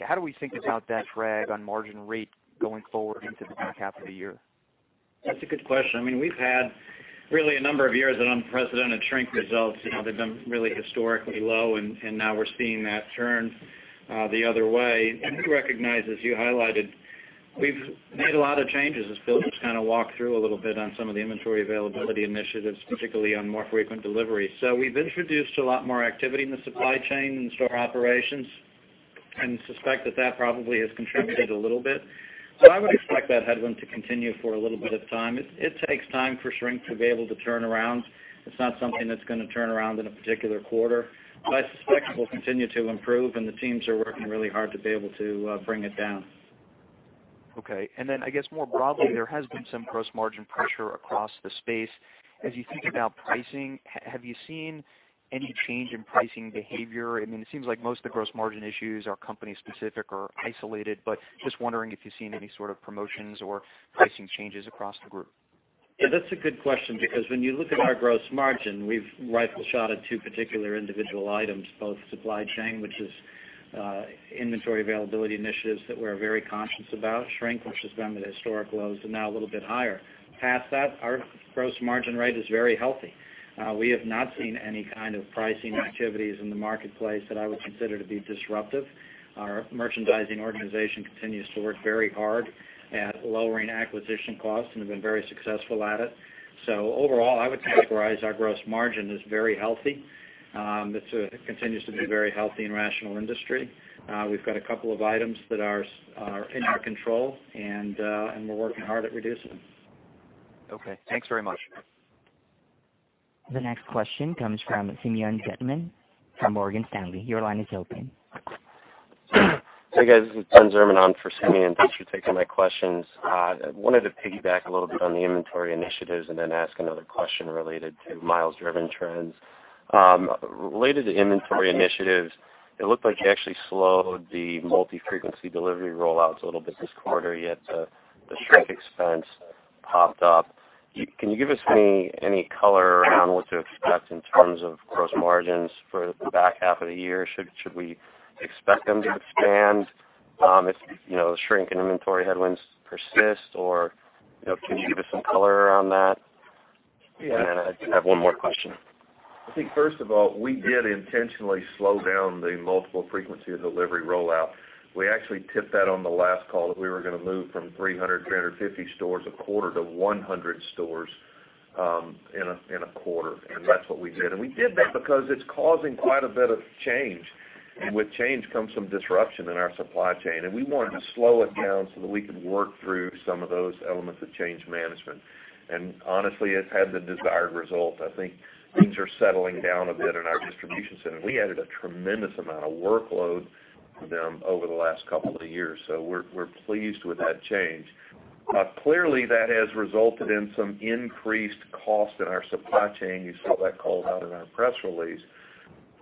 How do we think about that drag on margin rate going forward into the back half of the year? That's a good question. We've had really a number of years of unprecedented shrink results. They've been really historically low, and now we're seeing that turn the other way. We recognize, as you highlighted, we've made a lot of changes, as Bill just kind of walked through a little bit on some of the inventory availability initiatives, particularly on more frequent delivery. We've introduced a lot more activity in the supply chain and store operations and suspect that that probably has contributed a little bit. I would expect that headwind to continue for a little bit of time. It takes time for shrink to be able to turn around. It's not something that's going to turn around in a particular quarter. I suspect it will continue to improve, and the teams are working really hard to be able to bring it down. Okay. Then I guess more broadly, there has been some gross margin pressure across the space. As you think about pricing, have you seen any change in pricing behavior? It seems like most of the gross margin issues are company-specific or isolated, but just wondering if you've seen any sort of promotions or pricing changes across the group. Yeah, that's a good question because when you look at our gross margin, we've rifle shot at two particular individual items, both supply chain, which is inventory availability initiatives that we're very conscious about. Shrink, which has been at historic lows and now a little bit higher. Past that, our gross margin rate is very healthy. We have not seen any kind of pricing activities in the marketplace that I would consider to be disruptive. Our merchandising organization continues to work very hard at lowering acquisition costs and have been very successful at it. Overall, I would categorize our gross margin as very healthy. It continues to be a very healthy and rational industry. We've got a couple of items that are in our control, and we're working hard at reducing them. Okay. Thanks very much. The next question comes from Simeon Gutman from Morgan Stanley. Your line is open. Hey, guys. This is Ben Zimmerman on for Simeon. Thanks for taking my questions. I wanted to piggyback a little bit on the inventory initiatives and then ask another question related to miles driven trends. Related to inventory initiatives, it looked like you actually slowed the multi-frequency delivery rollouts a little bit this quarter, yet the shrink expense popped up. Can you give us any color around what to expect in terms of gross margins for the back half of the year? Should we expect them to expand if the shrink and inventory headwinds persist, or can you give us some color around that? Yeah. I have one more question. I think first of all, we did intentionally slow down the multiple frequency of delivery rollout. We actually tipped that on the last call that we were going to move from 300, 350 stores a quarter to 100 stores in a quarter, that's what we did. We did that because it's causing quite a bit of change, and with change comes some disruption in our supply chain. We wanted to slow it down so that we could work through some of those elements of change management. Honestly, it had the desired result. I think things are settling down a bit in our distribution center. We added a tremendous amount of workload to them over the last couple of years. We're pleased with that change. Clearly, that has resulted in some increased cost in our supply chain. You saw that called out in our press release.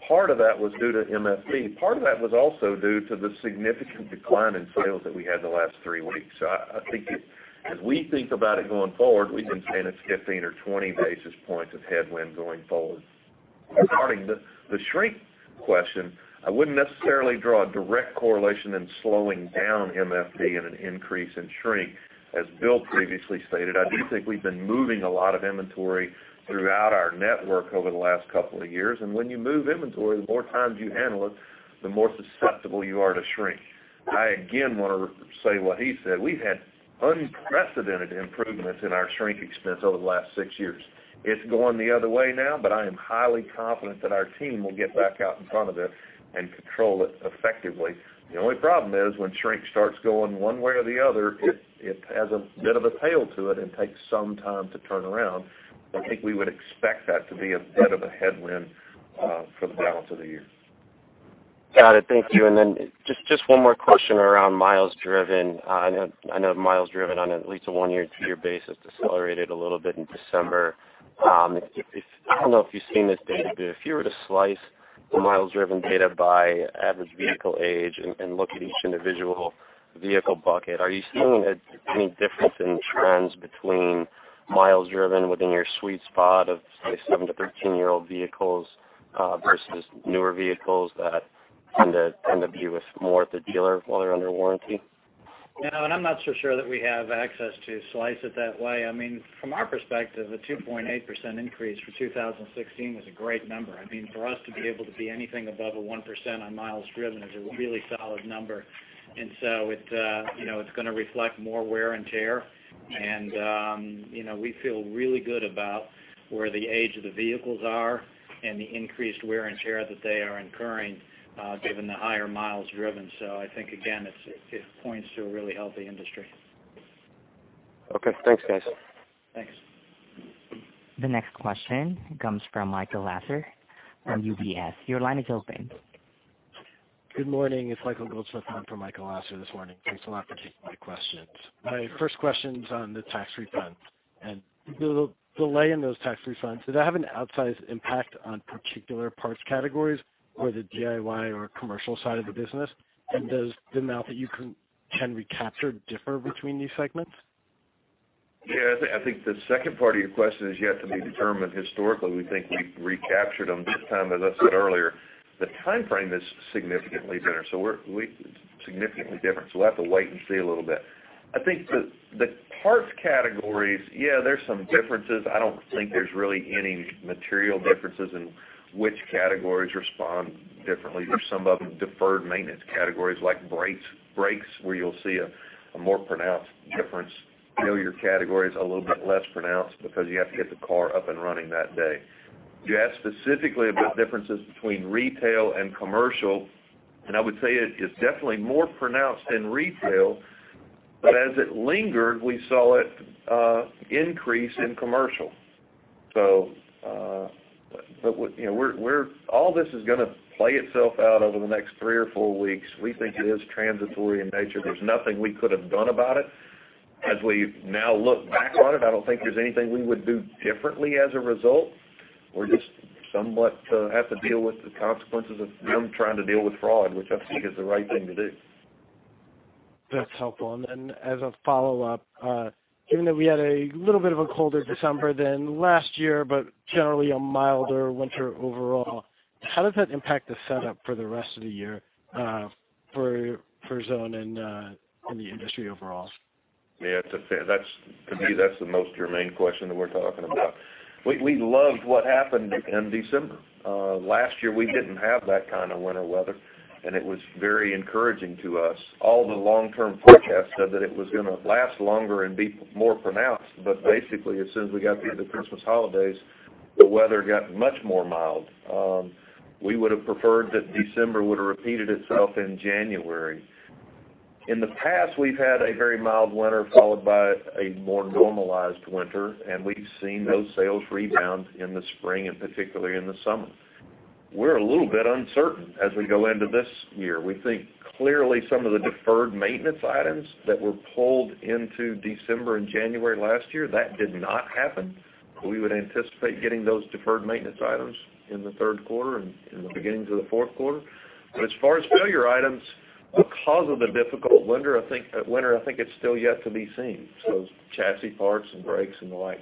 Part of that was due to MFD. Part of that was also due to the significant decline in sales that we had the last three weeks. I think as we think about it going forward, we've been saying it's 15 or 20 basis points of headwind going forward. Regarding the shrink question, I wouldn't necessarily draw a direct correlation in slowing down MFD and an increase in shrink. As Bill previously stated, I do think we've been moving a lot of inventory throughout our network over the last couple of years, when you move inventory, the more times you handle it, the more susceptible you are to shrink. I again want to say what he said. We've had unprecedented improvements in our shrink expense over the last six years. It's going the other way now. I am highly confident that our team will get back out in front of it and control it effectively. The only problem is when shrink starts going one way or the other, it has a bit of a tail to it and takes some time to turn around. I think we would expect that to be a bit of a headwind for the balance of the year. Got it. Thank you. Just one more question around miles driven. I know miles driven on at least a one-year, two-year basis decelerated a little bit in December. I don't know if you've seen this data, if you were to slice the miles driven data by average vehicle age and look at each individual vehicle bucket, are you seeing any difference in trends between miles driven within your sweet spot of, say, seven to 13-year-old vehicles versus newer vehicles that tend to be with more at the dealer while they're under warranty? No. I'm not so sure that we have access to slice it that way. From our perspective, a 2.8% increase for 2016 was a great number. For us to be able to be anything above a 1% on miles driven is a really solid number. It's going to reflect more wear and tear, and we feel really good about where the age of the vehicles are and the increased wear and tear that they are incurring given the higher miles driven. I think, again, it points to a really healthy industry. Okay. Thanks, guys. Thanks. The next question comes from Michael Lasser from UBS. Your line is open. Good morning. It's Michael Goldschmidt on for Michael Lasser this morning. Thanks a lot for taking my questions. My first question's on the tax refunds and the delay in those tax refunds. Does that have an outsized impact on particular parts categories or the DIY or commercial side of the business? Does the amount that you can recapture differ between these segments? Yeah, I think the second part of your question is yet to be determined. Historically, we think we've recaptured them this time. As I said earlier, the timeframe is significantly better, so we have to wait and see a little bit. I think the parts categories, yeah, there's some differences. I don't think there's really any material differences in which categories respond differently. There's some of them, deferred maintenance categories like brakes where you'll see a more pronounced difference. DIY categories a little bit less pronounced because you have to get the car up and running that day. You asked specifically about differences between retail and commercial, and I would say it's definitely more pronounced in retail. As it lingered, we saw it increase in commercial. All this is going to play itself out over the next three or four weeks. We think it is transitory in nature. There's nothing we could have done about it. As we now look back on it, I don't think there's anything we would do differently as a result. We just somewhat have to deal with the consequences of them trying to deal with fraud, which I think is the right thing to do. That's helpful. As a follow-up, given that we had a little bit of a colder December than last year, generally a milder winter overall, how does that impact the setup for the rest of the year for Zone and the industry overall? Yeah. To me, that's the most germane question that we're talking about. We loved what happened in December. Last year, we didn't have that kind of winter weather, and it was very encouraging to us. All the long-term forecasts said that it was going to last longer and be more pronounced. Basically, as soon as we got through the Christmas holidays, the weather got much more mild. We would have preferred that December would have repeated itself in January. In the past, we've had a very mild winter followed by a more normalized winter, and we've seen those sales rebound in the spring and particularly in the summer. We're a little bit uncertain as we go into this year. We think clearly some of the deferred maintenance items that were pulled into December and January last year, that did not happen. We would anticipate getting those deferred maintenance items in the third quarter and in the beginnings of the fourth quarter. As far as failure items, because of the difficult winter, I think it's still yet to be seen. Chassis parts and brakes and the like.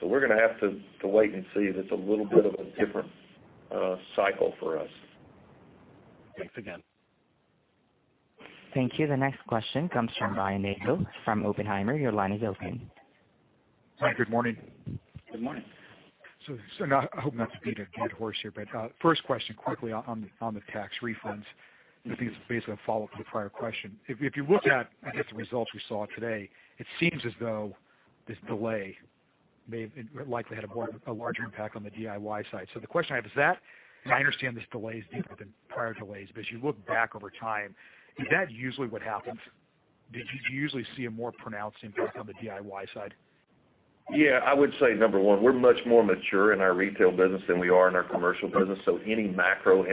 We're going to have to wait and see. That's a little bit of a different cycle for us. Thanks again. Thank you. The next question comes from Brian Nagel from Oppenheimer. Your line is open. Hi, good morning. Good morning. I hope not to beat a dead horse here, but first question quickly on the tax refunds. I think it's basically a follow-up to the prior question. If you look at the results we saw today, it seems as though this delay likely had a larger impact on the DIY side. The question I have is that, and I understand this delay is deeper than prior delays, but as you look back over time, is that usually what happens? Do you usually see a more pronounced impact on the DIY side? I would say number one, we're much more mature in our retail business than we are in our commercial business. Any macro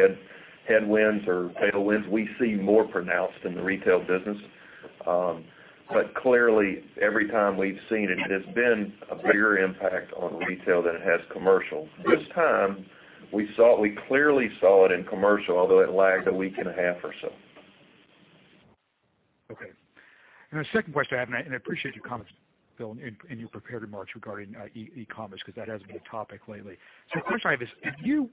headwinds or tailwinds, we see more pronounced in the retail business. Clearly, every time we've seen it has been a bigger impact on retail than it has commercial. This time, we clearly saw it in commercial, although it lagged a week and a half or so. Okay. The second question I have, and I appreciate your comments, Bill, in your prepared remarks regarding e-commerce, because that has been a topic lately. The question I have is,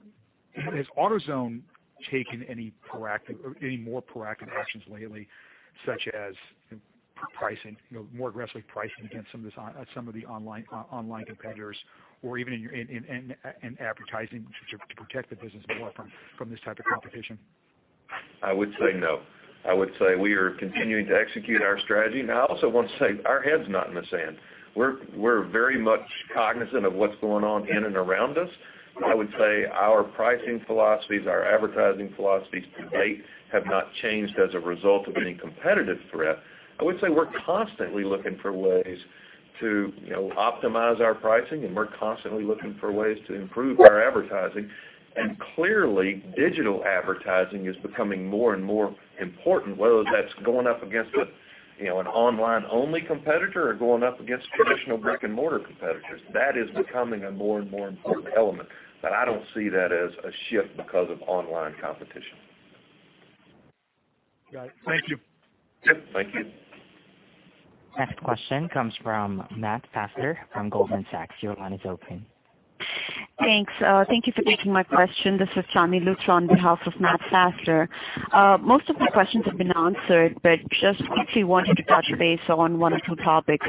has AutoZone taken any more proactive actions lately, such as more aggressive pricing against some of the online competitors, or even in advertising to protect the business more from this type of competition? I would say no. I would say we are continuing to execute our strategy. I also want to say our head's not in the sand. We're very much cognizant of what's going on in and around us. I would say our pricing philosophies, our advertising philosophies to date have not changed as a result of any competitive threat. I would say we're constantly looking for ways to optimize our pricing, and we're constantly looking for ways to improve our advertising. Clearly, digital advertising is becoming more and more important, whether that's going up against an online-only competitor or going up against traditional brick-and-mortar competitors. That is becoming a more and more important element. I don't see that as a shift because of online competition. Got it. Thank you. Yep. Thank you. Next question comes from Matt Fassler from Goldman Sachs. Your line is open. Thanks. Thank you for taking my question. This is Chandni Luthra on behalf of Matt Fassler. Most of my questions have been answered, but just quickly wanted to touch base on one or two topics.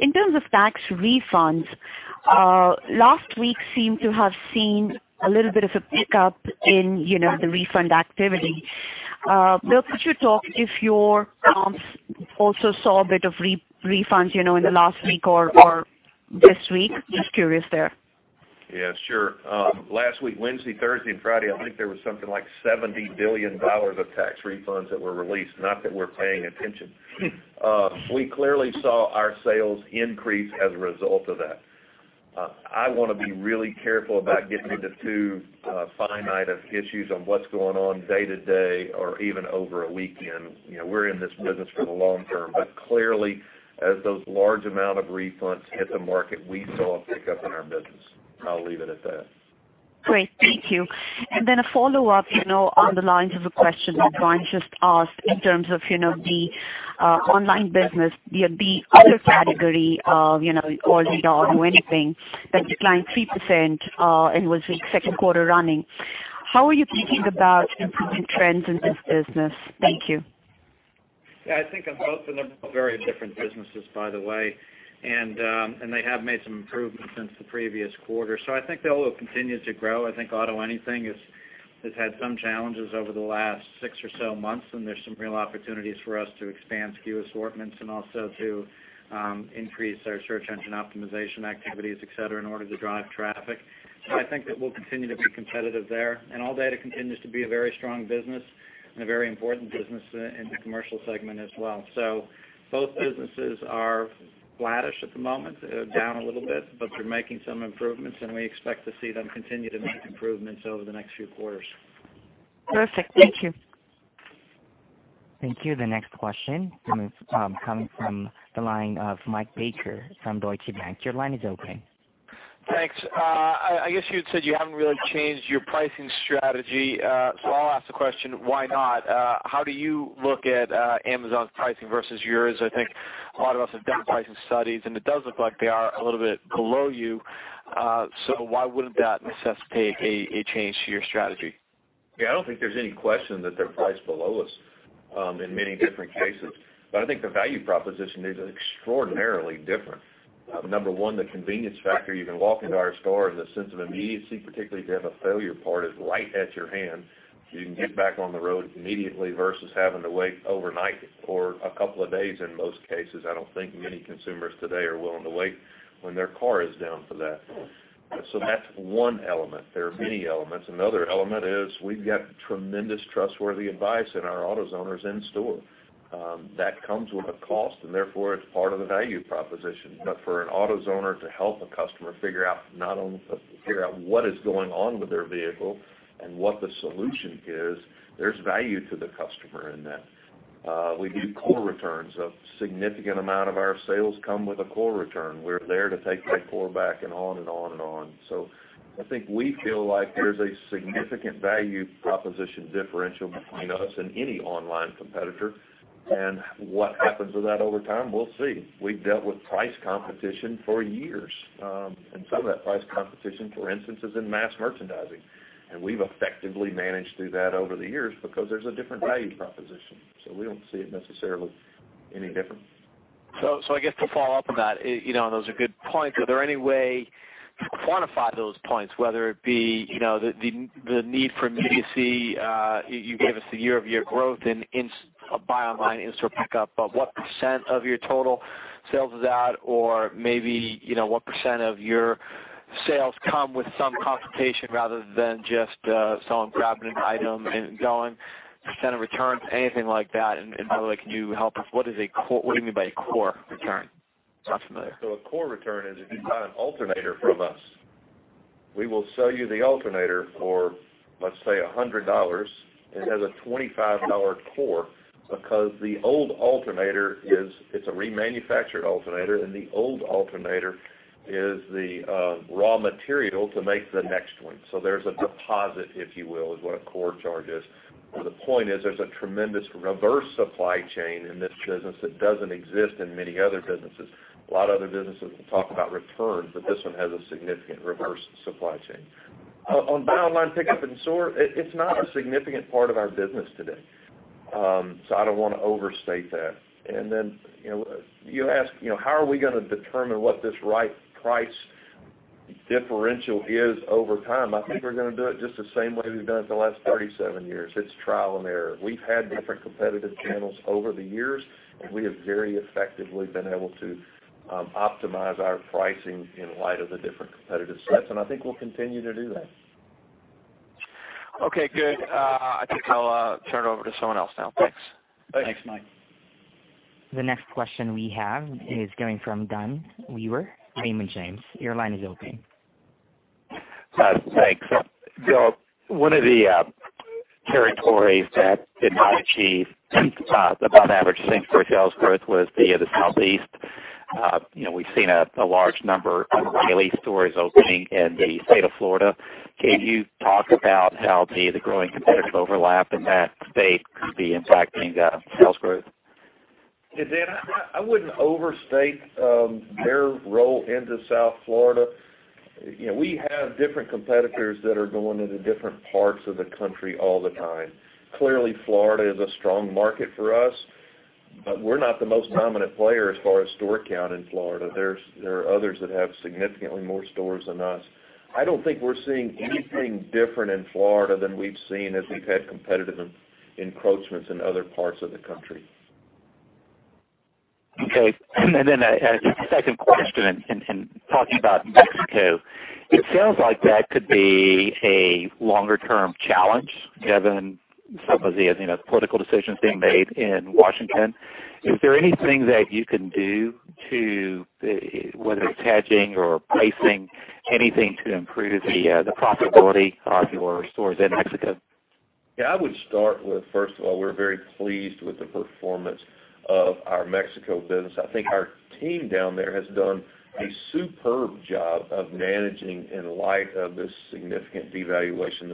In terms of tax refunds, last week seemed to have seen a little bit of a pickup in the refund activity. Bill, could you talk if your comps also saw a bit of refunds in the last week or this week? Just curious there. Yeah, sure. Last week, Wednesday, Thursday, and Friday, I think there was something like $70 billion of tax refunds that were released, not that we're paying attention. We clearly saw our sales increase as a result of that. I want to be really careful about getting into too finite of issues on what's going on day to day or even over a weekend. We're in this business for the long term. Clearly, as those large amount of refunds hit the market, we saw a pickup in our business. I'll leave it at that. Great. Thank you. Then a follow-up on the lines of a question that Brian just asked in terms of the online business via the other category of ALLDATA or AutoAnything that declined 3% and was the second quarter running. How are you thinking about improving trends in this business? Thank you. Yeah, I think of both of them are very different businesses, by the way. They have made some improvements since the previous quarter. I think they'll continue to grow. I think AutoAnything has had some challenges over the last six or so months, and there's some real opportunities for us to expand SKU assortments and also to increase our search engine optimization activities, et cetera, in order to drive traffic. I think that we'll continue to be competitive there. ALLDATA continues to be a very strong business and a very important business in the commercial segment as well. Both businesses are flattish at the moment, down a little bit, but they're making some improvements, and we expect to see them continue to make improvements over the next few quarters. Perfect. Thank you. Thank you. The next question coming from the line of Michael Baker from Deutsche Bank. Your line is open. Thanks. I guess you had said you haven't really changed your pricing strategy, I'll ask the question, why not? How do you look at Amazon's pricing versus yours? I think a lot of us have done pricing studies, and it does look like they are a little bit below you. Why wouldn't that necessitate a change to your strategy? Yeah, I don't think there's any question that they're priced below us in many different cases. I think the value proposition is extraordinarily different. Number one, the convenience factor. You can walk into our store and the sense of immediacy, particularly if you have a failure part, is right at your hand. You can get back on the road immediately versus having to wait overnight or a couple of days in most cases. I don't think many consumers today are willing to wait when their car is down for that. That's one element. There are many elements. Another element is we've got tremendous trustworthy advice in our AutoZoners in store. That comes with a cost, and therefore it's part of the value proposition. For an AutoZoner to help a customer figure out what is going on with their vehicle and what the solution is, there's value to the customer in that. We do core returns. A significant amount of our sales come with a core return. We're there to take that core back and on and on and on. I think we feel like there's a significant value proposition differential between us and any online competitor. What happens with that over time, we'll see. We've dealt with price competition for years. Some of that price competition, for instance, is in mass merchandising. We've effectively managed through that over the years because there's a different value proposition. We don't see it necessarily any different. I guess to follow up on that, those are good points. Are there any way you quantify those points, whether it be the need for immediacy, you give us the year-over-year growth in buy online in-store pickup, but what % of your total sales is that? Or maybe what % of your sales come with some consultation rather than just someone grabbing an item and going, % of returns, anything like that? By the way, can you help us, what do you mean by a core return? It's not familiar. A core return is if you buy an alternator from us, we will sell you the alternator for, let's say, $100. It has a $25 core because the old alternator is a remanufactured alternator, and the old alternator is the raw material to make the next one. There's a deposit, if you will, is what a core charge is. The point is there's a tremendous reverse supply chain in this business that doesn't exist in many other businesses. A lot of other businesses will talk about returns, but this one has a significant reverse supply chain. On buy online, pick up in store, it's not a significant part of our business today. I don't want to overstate that. Then you ask how are we going to determine what this right price differential is over time. I think we're going to do it just the same way we've done it the last 37 years. It's trial and error. We've had different competitive channels over the years, we have very effectively been able to optimize our pricing in light of the different competitive sets, I think we'll continue to do that. Okay, good. I think I'll turn it over to someone else now. Thanks. Thanks, Mike. The next question we have is coming from Dan Wewer at Raymond James. Your line is open. Thanks. One of the territories that did not achieve above average same store sales growth was the Southeast. We've seen a large number of O'Reilly stores opening in the state of Florida. Can you talk about how the growing competitive overlap in that state could be impacting sales growth? Dan, I wouldn't overstate their role into South Florida. We have different competitors that are going into different parts of the country all the time. Clearly, Florida is a strong market for us, but we're not the most dominant player as far as store count in Florida. There are others that have significantly more stores than us. I don't think we're seeing anything different in Florida than we've seen as we've had competitive encroachments in other parts of the country. A second question in talking about Mexico, it sounds like that could be a longer term challenge given some of the political decisions being made in Washington. Is there anything that you can do to, whether it's hedging or pricing, anything to improve the profitability of your stores in Mexico? Yeah, I would start with, first of all, we're very pleased with the performance of our Mexico business. I think our team down there has done a superb job of managing in light of this significant devaluation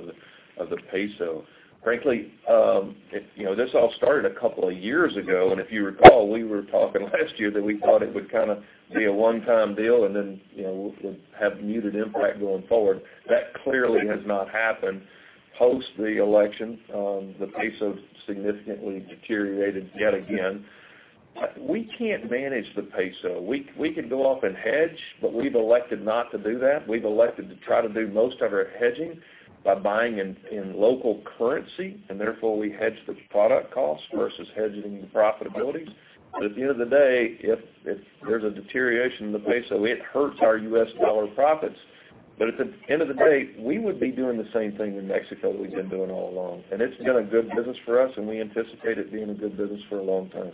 of the peso. Frankly, this all started a couple of years ago. If you recall, we were talking last year that we thought it would kind of be a one-time deal and then would have muted impact going forward. That clearly has not happened. Post the election, the peso significantly deteriorated yet again. We can't manage the peso. We could go off and hedge, but we've elected not to do that. We've elected to try to do most of our hedging by buying in local currency. Therefore we hedge the product cost versus hedging the profitability. At the end of the day, if there's a deterioration in the peso, it hurts our U.S. dollar profits. At the end of the day, we would be doing the same thing in Mexico that we've been doing all along. It's been a good business for us. We anticipate it being a good business for a long time.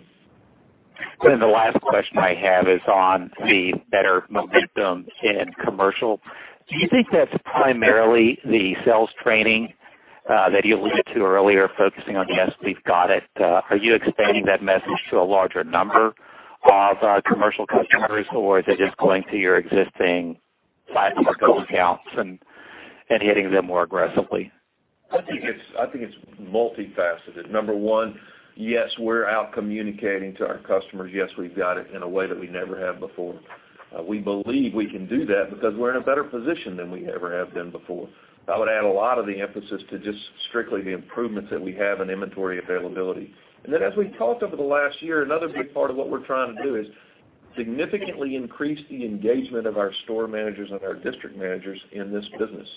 The last question I have is on the better momentum in commercial. Do you think that's primarily the sales training that you alluded to earlier, focusing on, "Yes, we've got it." Are you expanding that message to a larger number of commercial customers, or is it just going to your existing customer accounts and hitting them more aggressively? I think it's multifaceted. Number one, yes, we're out communicating to our customers, "Yes, we've got it," in a way that we never have before. We believe we can do that because we're in a better position than we ever have been before. That would add a lot of the emphasis to just strictly the improvements that we have in inventory availability. Then as we've talked over the last year, another big part of what we're trying to do is significantly increase the engagement of our store managers and our district managers in this business.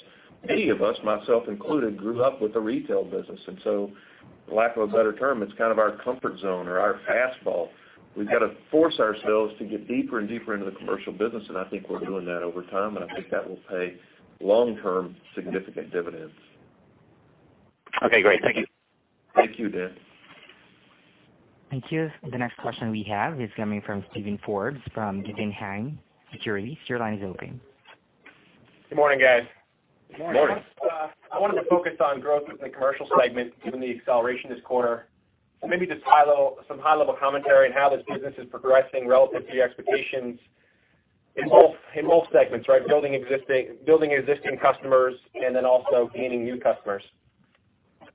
Many of us, myself included, grew up with the retail business, and so for lack of a better term, it's kind of our comfort zone or our fastball. We've got to force ourselves to get deeper and deeper into the commercial business, and I think we're doing that over time, and I think that will pay long-term significant dividends. Okay, great. Thank you. Thank you, Dan. Thank you. The next question we have is coming from Steven Forbes from Guggenheim Securities. Your line is open. Good morning, guys. Good morning. I wanted to focus on growth in the commercial segment, given the acceleration this quarter. Maybe just some high-level commentary on how this business is progressing relative to your expectations in both segments, right? Building existing customers and then also gaining new customers. I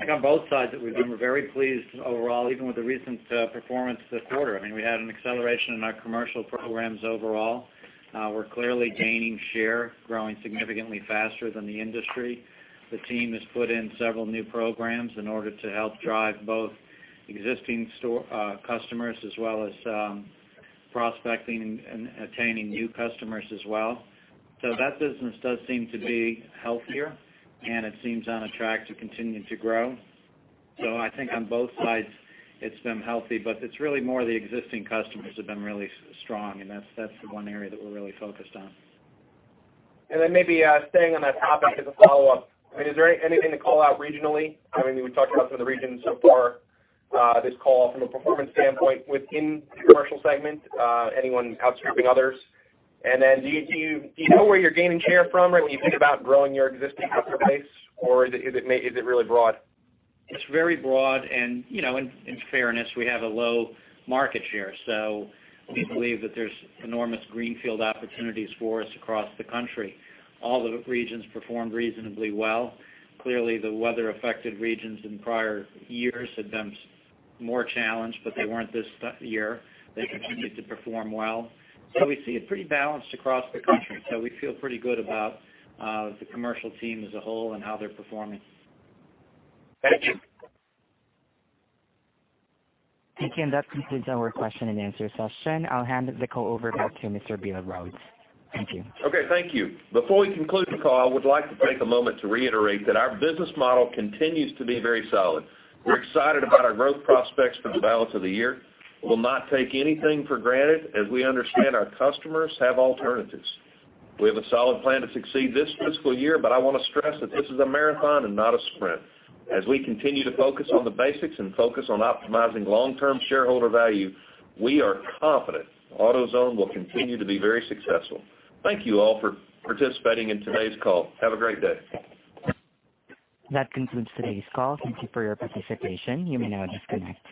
think on both sides that we've been very pleased overall, even with the recent performance this quarter. I mean, we had an acceleration in our commercial programs overall. We're clearly gaining share, growing significantly faster than the industry. The team has put in several new programs in order to help drive both existing store customers as well as prospecting and attaining new customers as well. That business does seem to be healthier, and it seems on a track to continue to grow. I think on both sides it's been healthy, but it's really more the existing customers have been really strong, and that's the one area that we're really focused on. Maybe staying on that topic as a follow-up. I mean, is there anything to call out regionally? I mean, we talked about some of the regions so far this call from a performance standpoint within the commercial segment, anyone outstripping others. Do you know where you're gaining share from when you think about growing your existing customer base, or is it really broad? It's very broad, and in fairness, we have a low market share, we believe that there's enormous greenfield opportunities for us across the country. All the regions performed reasonably well. Clearly, the weather-affected regions in prior years had been more challenged, but they weren't this year. They continued to perform well. We see it pretty balanced across the country. We feel pretty good about the commercial team as a whole and how they're performing. Thank you. Thank you. That concludes our question and answer session. I'll hand the call over now to Mr. Bill Rhodes. Thank you. Okay. Thank you. Before we conclude the call, I would like to take a moment to reiterate that our business model continues to be very solid. We're excited about our growth prospects for the balance of the year. We'll not take anything for granted as we understand our customers have alternatives. We have a solid plan to succeed this fiscal year, I want to stress that this is a marathon and not a sprint. We continue to focus on the basics and focus on optimizing long-term shareholder value, we are confident AutoZone will continue to be very successful. Thank you all for participating in today's call. Have a great day. That concludes today's call. Thank you for your participation. You may now disconnect.